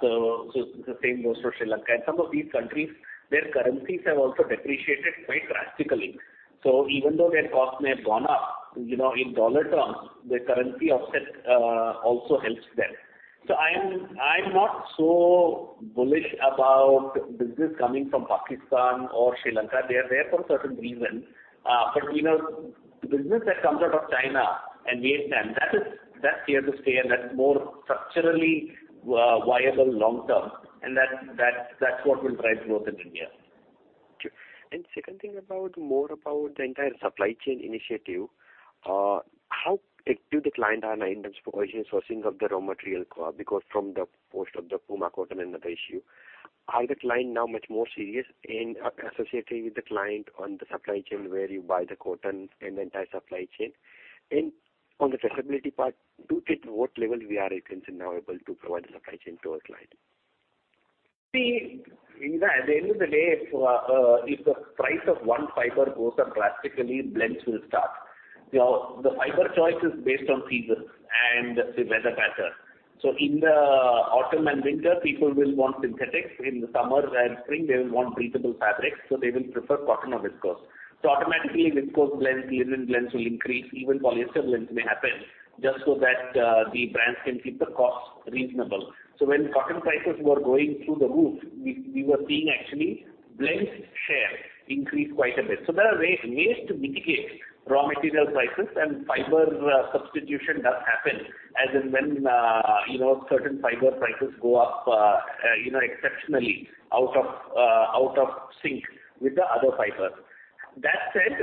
So the same goes for Sri Lanka. And some of these countries, their currencies have also depreciated quite drastically. So even though their costs may have gone up, in dollar terms, their currency offset also helps them. So I'm not so bullish about business coming from Pakistan or Sri Lanka. They're there for certain reasons. But the business that comes out of China and Vietnam, that's here to stay, and that's more structurally viable long-term. And that's what will drive growth in India. Sure. Second thing, more about the entire supply chain initiative, how active the clients are in terms of sourcing of the raw material because from the post of the Pima cotton and other issue, are the clients now much more serious in associating with the clients on the supply chain where you buy the cotton and the entire supply chain? On the traceability part, to what level are we now able to provide the supply chain to our clients? See, at the end of the day, if the price of one fiber goes up drastically, blends will start. The fiber choice is based on seasons and the weather pattern. So in the autumn and winter, people will want synthetics. In the summer and spring, they will want breathable fabrics. So they will prefer cotton or viscose. So automatically, viscose blends, linen blends will increase. Even polyester blends may happen just so that the brands can keep the costs reasonable. So when cotton prices were going through the roof, we were seeing actually blends share increase quite a bit. So there are ways to mitigate raw material prices, and fiber substitution does happen as and when certain fiber prices go up exceptionally out of sync with the other fibers. That said,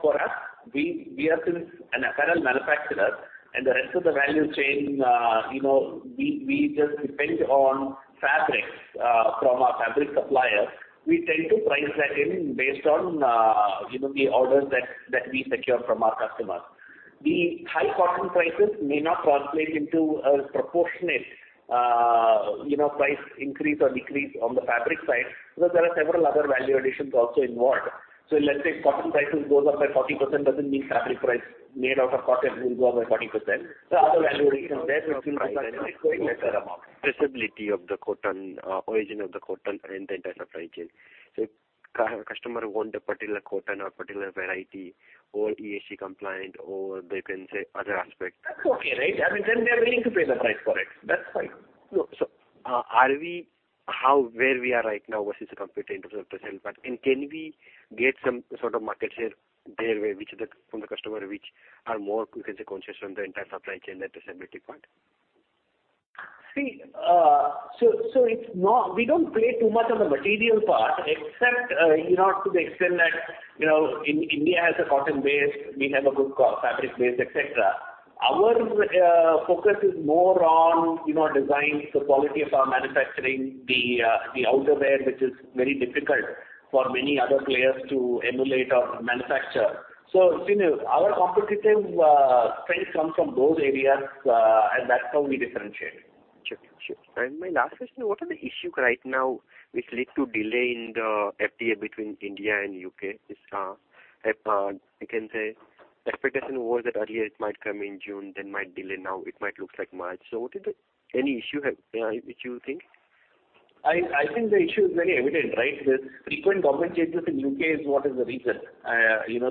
for us, we are an apparel manufacturer, and the rest of the value chain, we just depend on fabrics from our fabric suppliers. We tend to price that in based on the orders that we secure from our customers. The high cotton prices may not translate into a proportionate price increase or decrease on the fabric side because there are several other value additions also involved. So let's say cotton prices go up by 40% doesn't mean fabric price made out of cotton will go up by 40%. There are other value additions there which will result in a going lesser amount. Traceability of the cotton, origin of the cotton, and the entire supply chain. So if a customer wants a particular cotton or a particular variety or ESG compliant or, you can say, other aspects. That's okay, right? I mean, then they're willing to pay the price for it. That's fine. No. So where we are right now versus the competitor in terms of traceability, and can we get some sort of market share from the customer which are more, you can say, conscious on the entire supply chain, that traceability part? See, so we don't play too much on the material part except to the extent that India has a cotton base. We have a good fabric base, etc. Our focus is more on designing the quality of our manufacturing, the outerwear, which is very difficult for many other players to emulate or manufacture. So our competitive strength comes from those areas, and that's how we differentiate. Sure. Sure. And my last question, what are the issues right now which lead to delay in the FTA between India and U.K.? You can say expectation was that earlier it might come in June, then might delay. Now, it might look like March. So any issue which you think? I think the issue is very evident, right? The frequent government changes in U.K. is what is the reason.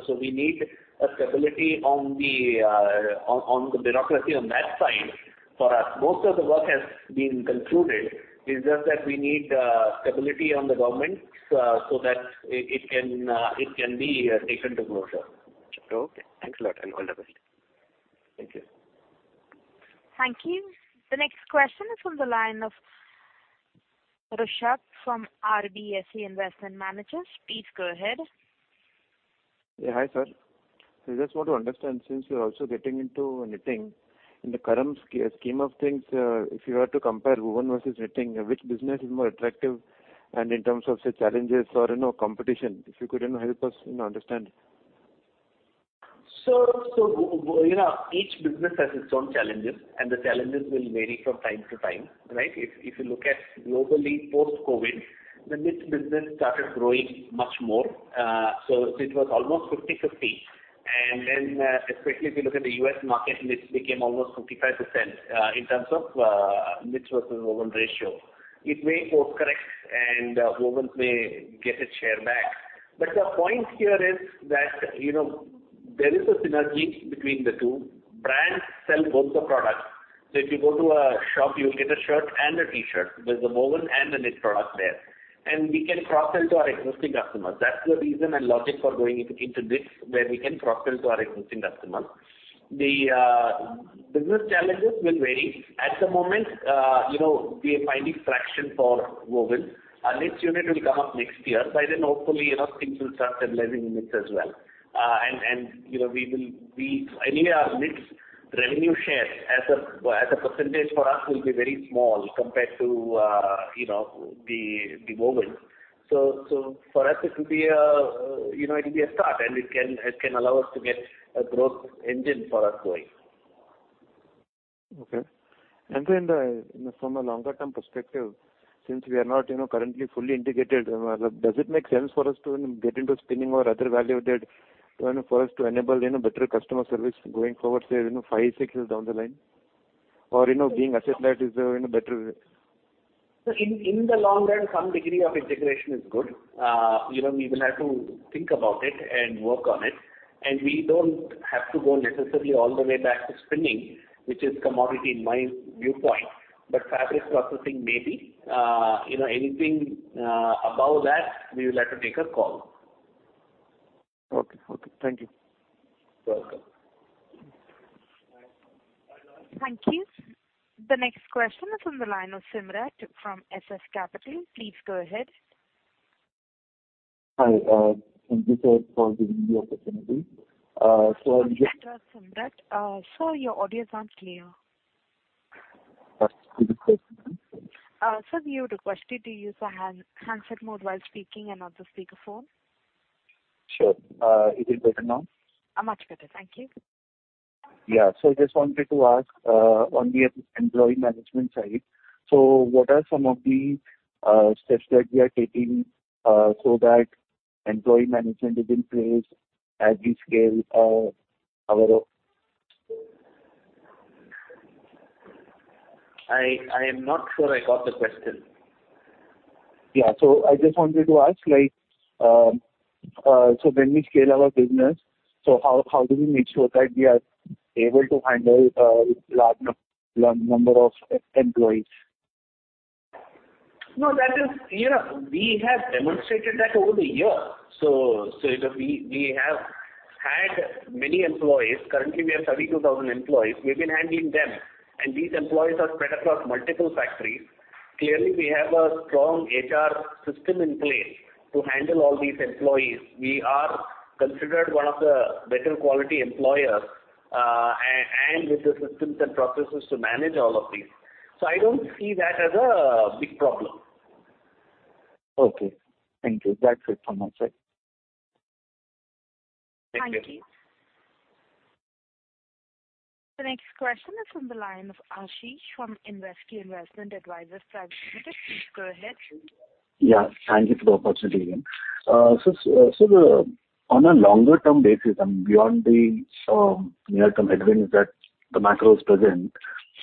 So we need a stability on the bureaucracy on that side for us. Most of the work has been concluded. It's just that we need stability on the government so that it can be taken to closure. Okay. Thanks a lot, and all the best. Thank you. Thank you. The next question is from the line of Rishabh from RBSA Investment Managers. Please go ahead. Yeah. Hi, sir. I just want to understand since you're also getting into knitting, in the current scheme of things, if you were to compare woven versus knitting, which business is more attractive in terms of, say, challenges or competition? If you could help us understand. So each business has its own challenges, and the challenges will vary from time to time, right? If you look at globally post-COVID, the knit business started growing much more. So it was almost 50/50. And then, especially if you look at the U.S. market, knits became almost 55% in terms of knits versus woven ratio. It may cost correct, and wovens may get a share back. But the point here is that there is a synergy between the two. Brands sell both the products. So if you go to a shop, you'll get a shirt and a T-shirt. There's a woven and a knit product there. And we can cross-sell to our existing customers. That's the reason and logic for going into knits where we can cross-sell to our existing customers. The business challenges will vary. At the moment, we are finding traction for wovens. A knits unit will come up next year. By then, hopefully, things will start stabilizing in knits as well. We will anyway, our knits revenue share as a percentage for us will be very small compared to the wovens. So for us, it will be a start, and it can allow us to get a growth engine for us going. Okay. And then from a longer-term perspective, since we are not currently fully integrated, does it make sense for us to get into spinning or other value added for us to enable better customer service going forward, say, 5, 6 years down the line? Or being asset-led is a better way? In the long run, some degree of integration is good. We will have to think about it and work on it. We don't have to go necessarily all the way back to spinning, which is commodity in my viewpoint. Fabric processing, maybe. Anything above that, we will have to take a call. Okay. Okay. Thank you. You're welcome. Thank you. The next question is from the line of Simrat from SS Capital. Please go ahead. Hi. Thank you, sir, for giving me the opportunity. So I'm just. Simrat, sir, your audio is not clear. Sorry. Could you speak to me? Sir, we requested to use a handset mode while speaking and not the speakerphone. Sure. Is it better now? Much better. Thank you. Yeah. So I just wanted to ask on the employee management side, so what are some of the steps that we are taking so that employee management is in place as we scale our? I am not sure I got the question. Yeah. So I just wanted to ask, so when we scale our business, so how do we make sure that we are able to handle a large number of employees? No, that is, we have demonstrated that over the years. So we have had many employees. Currently, we have 32,000 employees. We've been handling them. And these employees are spread across multiple factories. Clearly, we have a strong HR system in place to handle all these employees. We are considered one of the better-quality employers and with the systems and processes to manage all of these. So I don't see that as a big problem. Okay. Thank you. That's it from my side. Thank you. Thank you. The next question is from the line of Ashish from Invesco Investment Advisors. Please go ahead. Yeah. Thank you for the opportunity, again. So on a longer-term basis, I mean, beyond the near-term headwinds that the macro is present,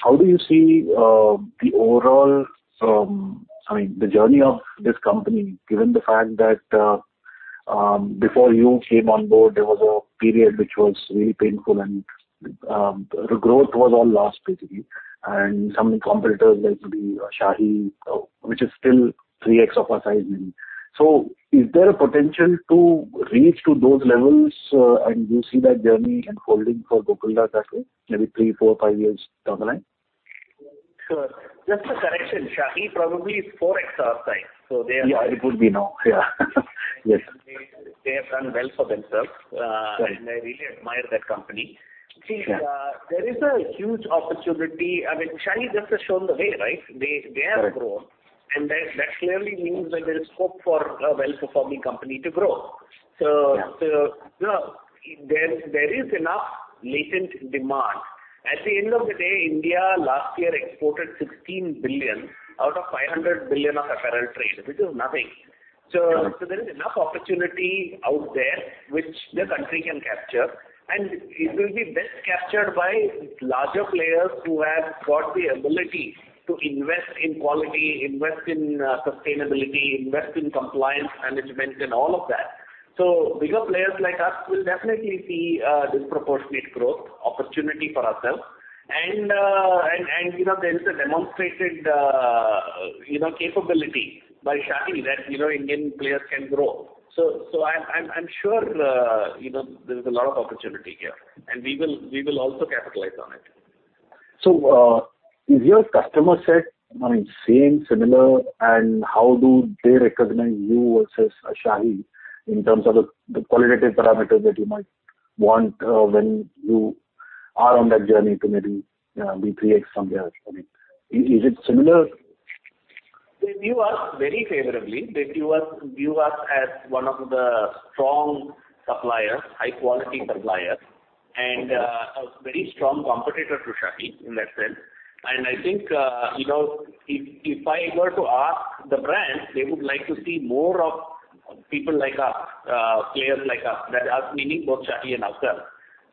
how do you see the overall I mean, the journey of this company, given the fact that before you came on board, there was a period which was really painful, and growth was all lost, basically, and some competitors like maybe Shahi, which is still 3x of our size, maybe. So is there a potential to reach to those levels, and do you see that journey unfolding for Gokaldas that way, maybe 3, 4, 5 years down the line? Sure. Just a correction. Shahi probably is 4x our size. So they are. Yeah. It would be now. Yeah. Yes. They have done well for themselves, and I really admire that company. See, there is a huge opportunity. I mean, Shahi just has shown the way, right? They have grown, and that clearly means that there is scope for a well-performing company to grow. So there is enough latent demand. At the end of the day, India last year exported $16 billion out of $500 billion of apparel trade, which is nothing. So there is enough opportunity out there which the country can capture, and it will be best captured by larger players who have got the ability to invest in quality, invest in sustainability, invest in compliance management, and all of that. So bigger players like us will definitely see disproportionate growth opportunity for ourselves. And there is a demonstrated capability by Shahi that Indian players can grow. I'm sure there is a lot of opportunity here, and we will also capitalize on it. So is your customer set, I mean, same, similar, and how do they recognize you versus Shahi in terms of the qualitative parameters that you might want when you are on that journey to maybe be 3x from there? I mean, is it similar? They view us very favorably. They view us as one of the strong suppliers, high-quality suppliers, and a very strong competitor to Shahi in that sense. And I think if I were to ask the brands, they would like to see more of people like us, players like us, meaning both Shahi and ourselves.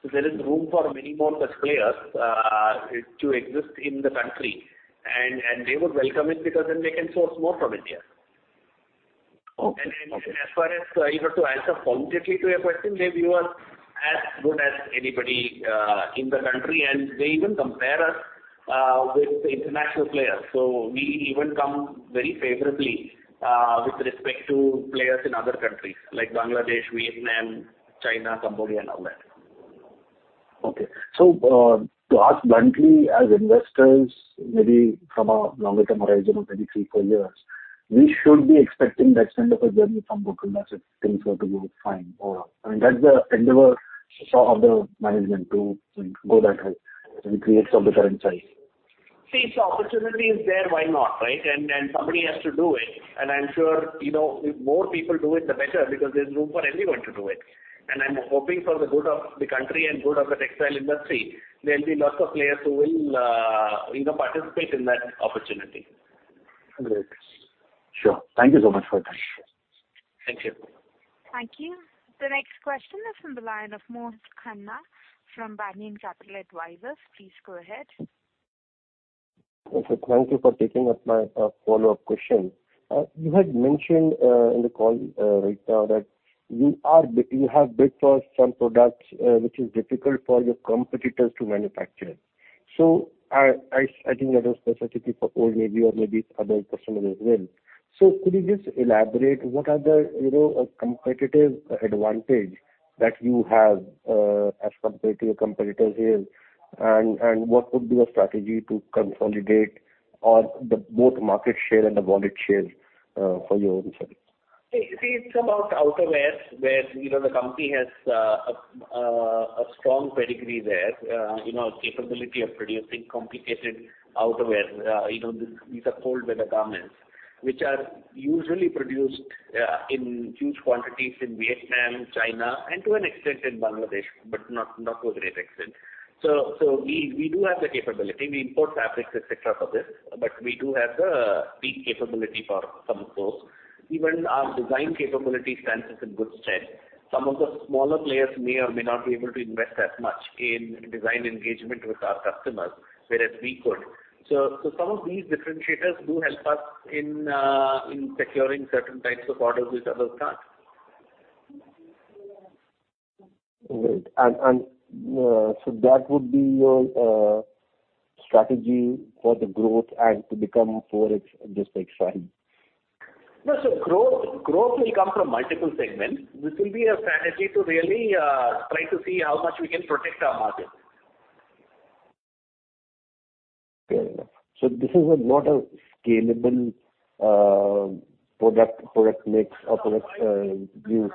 So there is room for many more such players to exist in the country, and they would welcome it because then they can source more from India. And as far as to answer qualitatively to your question, they view us as good as anybody in the country, and they even compare us with international players. So we even come very favorably with respect to players in other countries like Bangladesh, Vietnam, China, Cambodia, and all that. Okay. So to ask bluntly, as investors, maybe from a longer-term horizon of maybe 3, 4 years, we should be expecting that kind of a journey from Gokaldas if things were to go fine overall? I mean, that's the endeavor of the management to go that way, maybe create some recurrent sales? See, if the opportunity is there, why not, right? And somebody has to do it. And I'm sure the more people do it, the better because there's room for anyone to do it. And I'm hoping for the good of the country and good of the textile industry. There'll be lots of players who will participate in that opportunity. Great. Sure. Thank you so much for your time. Thank you. Thank you. The next question is from the line of Mohit Khanna from Banyan Capital Advisors. Please go ahead. Okay. Thank you for taking up my follow-up question. You had mentioned in the call right now that you have bid for some products which is difficult for your competitors to manufacture. I think that was specifically for Old Navy or maybe other customers as well. Could you just elaborate what are the competitive advantages that you have as compared to your competitors here, and what would be a strategy to consolidate both market share and the wallet share for your own service? See, it's about outerwear where the company has a strong pedigree there, capability of producing complicated outerwear. These are cold-weather garments which are usually produced in huge quantities in Vietnam, China, and to an extent in Bangladesh, but not to a great extent. So we do have the capability. We import fabrics, etc., for this, but we do have the peak capability for some of those. Even our design capability stands us in good stead. Some of the smaller players may or may not be able to invest as much in design engagement with our customers whereas we could. So some of these differentiators do help us in securing certain types of orders which others can't. Great. And so that would be your strategy for the growth and to become for just like Shahi? No. So growth will come from multiple segments. This will be a strategy to really try to see how much we can protect our market. Fair enough. So this is not a scalable product mix or product view.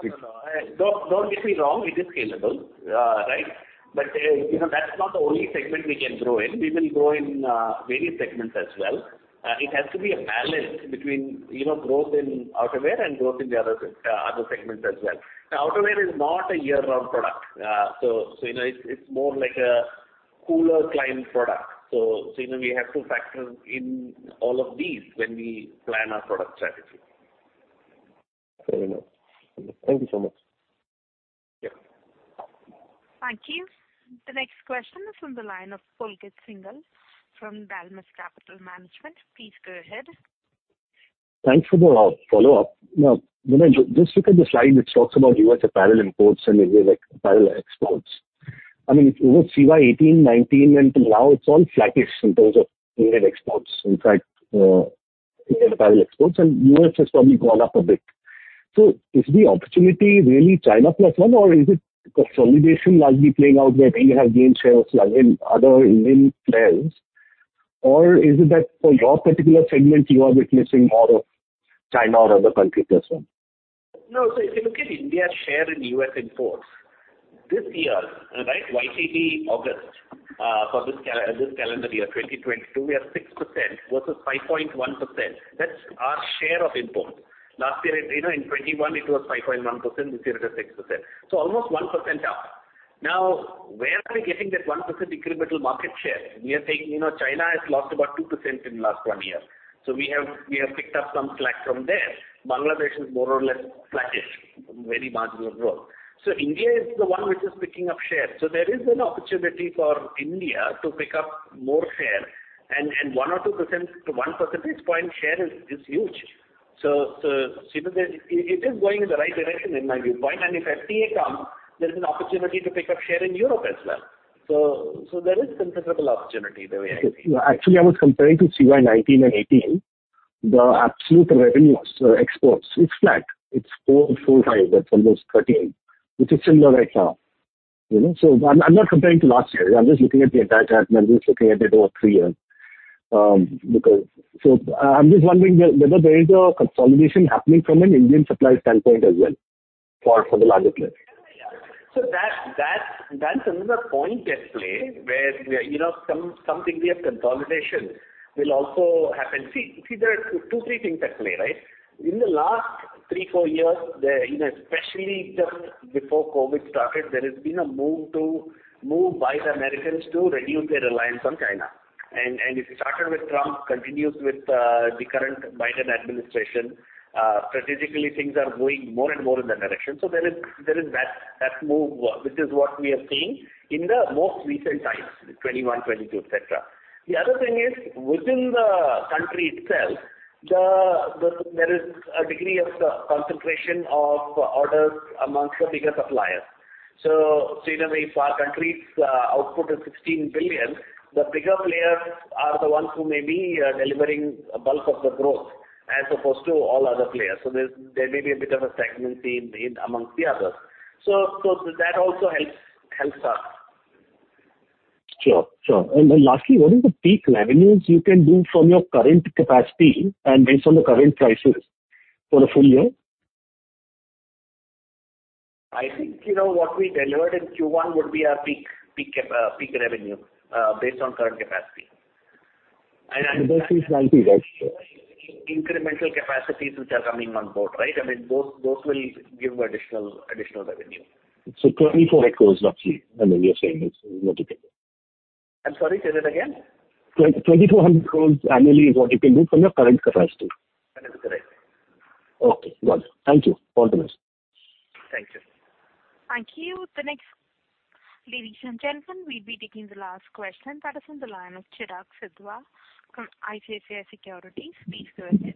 Don't get me wrong. It is scalable, right? But that's not the only segment we can grow in. We will grow in various segments as well. It has to be a balance between growth in outerwear and growth in the other segments as well. Now, outerwear is not a year-round product. So it's more like a cooler climate product. So we have to factor in all of these when we plan our product strategy. Fair enough. Thank you so much. Yep. Thank you. The next question is from the line of Pulkit Singhal from Dalmus Capital Management. Please go ahead. Thanks for the follow-up. Now, when I just look at the slide, it talks about U.S. apparel imports and India's apparel exports. I mean, over CY 2018, 2019, until now, it's all flattish in terms of India exports, in fact, India apparel exports, and U.S. has probably gone up a bit. So is the opportunity really China plus one, or is it consolidation largely playing out where we have gained shares in other Indian players? Or is it that for your particular segment, you are witnessing more of China or other country plus one? No. So if you look at India's share in U.S. imports this year, right, YTD, August for this calendar year, 2022, we are 6% versus 5.1%. That's our share of imports. Last year, in 2021, it was 5.1%. This year, it is 6%. So almost 1% up. Now, where are we getting that 1% incremental market share? China has lost about 2% in the last one year. So we have picked up some slack from there. Bangladesh is more or less flattish, very marginal growth. So India is the one which is picking up share. So there is an opportunity for India to pick up more share. And 1 or 2 percentage point share is huge. So it is going in the right direction in my viewpoint. And if FTA comes, there's an opportunity to pick up share in Europe as well. There is considerable opportunity the way I see it. Actually, I was comparing to CY 2019 and 2018, the absolute revenues exports is flat. It's four, four, five. That's almost 13, which is similar right now. So I'm not comparing to last year. I'm just looking at the entire chart. I'm just looking at it over 3 years. So I'm just wondering whether there is a consolidation happening from an Indian supply standpoint as well for the larger players. Yeah. So that's another point at play where some degree of consolidation will also happen. See, there are two, three things at play, right? In the last 3, 4 years, especially just before COVID started, there has been a move by the Americans to reduce their reliance on China. And it started with Trump, continues with the current Biden administration. Strategically, things are going more and more in that direction. So there is that move, which is what we are seeing in the most recent times, 2021, 2022, etc. The other thing is, within the country itself, there is a degree of concentration of orders amongst the bigger suppliers. So in a way, if our country's output is $16 billion, the bigger players are the ones who may be delivering a bulk of the growth as opposed to all other players. There may be a bit of a stagnancy among the others. That also helps us. Sure. Sure. And lastly, what is the peak revenues you can do from your current capacity and based on the current prices for a full year? I think what we delivered in Q1 would be our peak revenue based on current capacity. I think. The best is 90, right? Incremental capacities which are coming on board, right? I mean, those will give additional revenue. 2,400 crore, roughly, I mean, you're saying is what you can do? I'm sorry. Say that again. 2,400 crores annually is what you can do from your current capacity. That is correct. Okay. Got it. Thank you. All the best. Thank you. Thank you. The next, ladies and gentlemen, we'll be taking the last question. That is from the line of Cheragh Sidhwa from ICICI Securities. Please go ahead.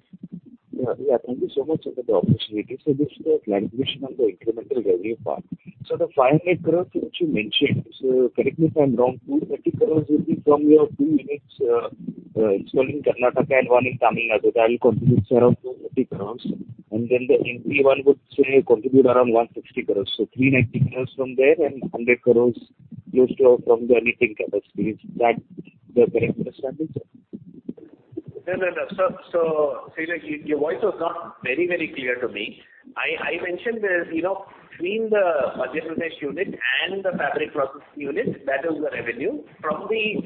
Yeah. Yeah. Thank you so much for the opportunity. So this is the clarification on the incremental revenue part. So the 500 crore which you mentioned, so correct me if I'm wrong, 230 crore would be from your two units installed in Karnataka and one in Tamil Nadu. That will contribute around INR 230 crore. And then the MP1 would contribute around INR 160 crore. So INR 390 crore from there and INR 100 crore close to from the existing capacity. Is that the correct understanding? Fair enough. So your voice was not very, very clear to me. I mentioned there's between the budget unit and the fabric processing unit, that is the revenue. From the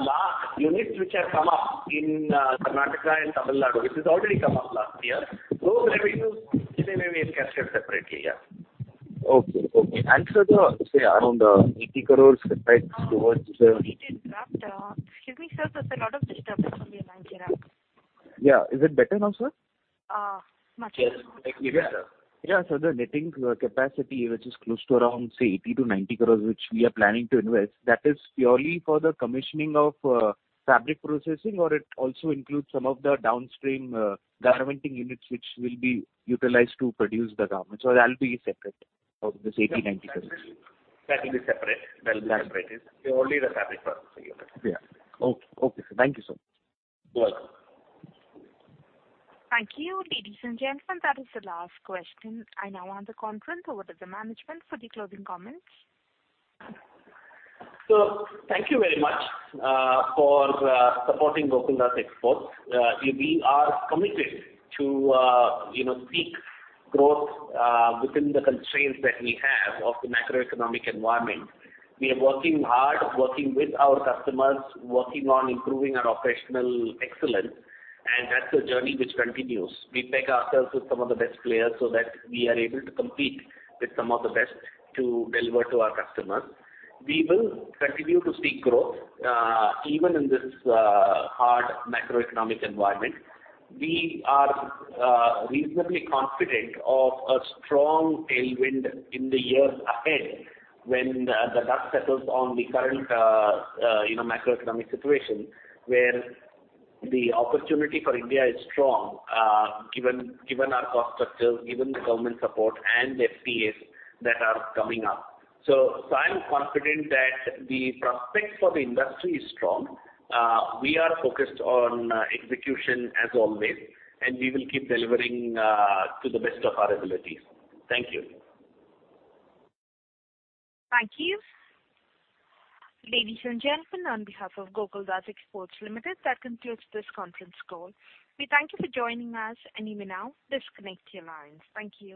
last units which have come up in Karnataka and Tamil Nadu, which has already come up last year, those revenues, in a way, we have captured separately. Yeah. Okay. Okay. And so the, say, around 80 crore towards the. We did drop the, excuse me, sir. There's a lot of disturbance on the line, Cherag. Yeah. Is it better now, sir? Much better. Yes. Excuse me, sir. Yeah. Yeah. So the knitting capacity, which is close to around, say, 80 to 90 crores, which we are planning to invest, that is purely for the commissioning of fabric processing, or it also includes some of the downstream garmenting units which will be utilized to produce the garments? Or that'll be separate from this INR 80 to 90 crores? That will be separate. That'll be separate. It's purely the fabric processing unit. Yeah. Okay. Okay, sir. Thank you, sir. You're welcome. Thank you, ladies and gentlemen. That is the last question. I now hand the conference over to the management for the closing comments. Thank you very much for supporting Gokaldas Exports. We are committed to seek growth within the constraints that we have of the macroeconomic environment. We are working hard, working with our customers, working on improving our operational excellence. That's a journey which continues. We peg ourselves with some of the best players so that we are able to compete with some of the best to deliver to our customers. We will continue to seek growth even in this hard macroeconomic environment. We are reasonably confident of a strong tailwind in the years ahead when the dust settles on the current macroeconomic situation where the opportunity for India is strong given our cost structures, given the government support, and FTAs that are coming up. I'm confident that the prospects for the industry are strong. We are focused on execution as always, and we will keep delivering to the best of our abilities. Thank you. Thank you, ladies and gentlemen. On behalf of Gokaldas Exports Limited, that concludes this conference call. We thank you for joining us. Even now, disconnect your lines. Thank you.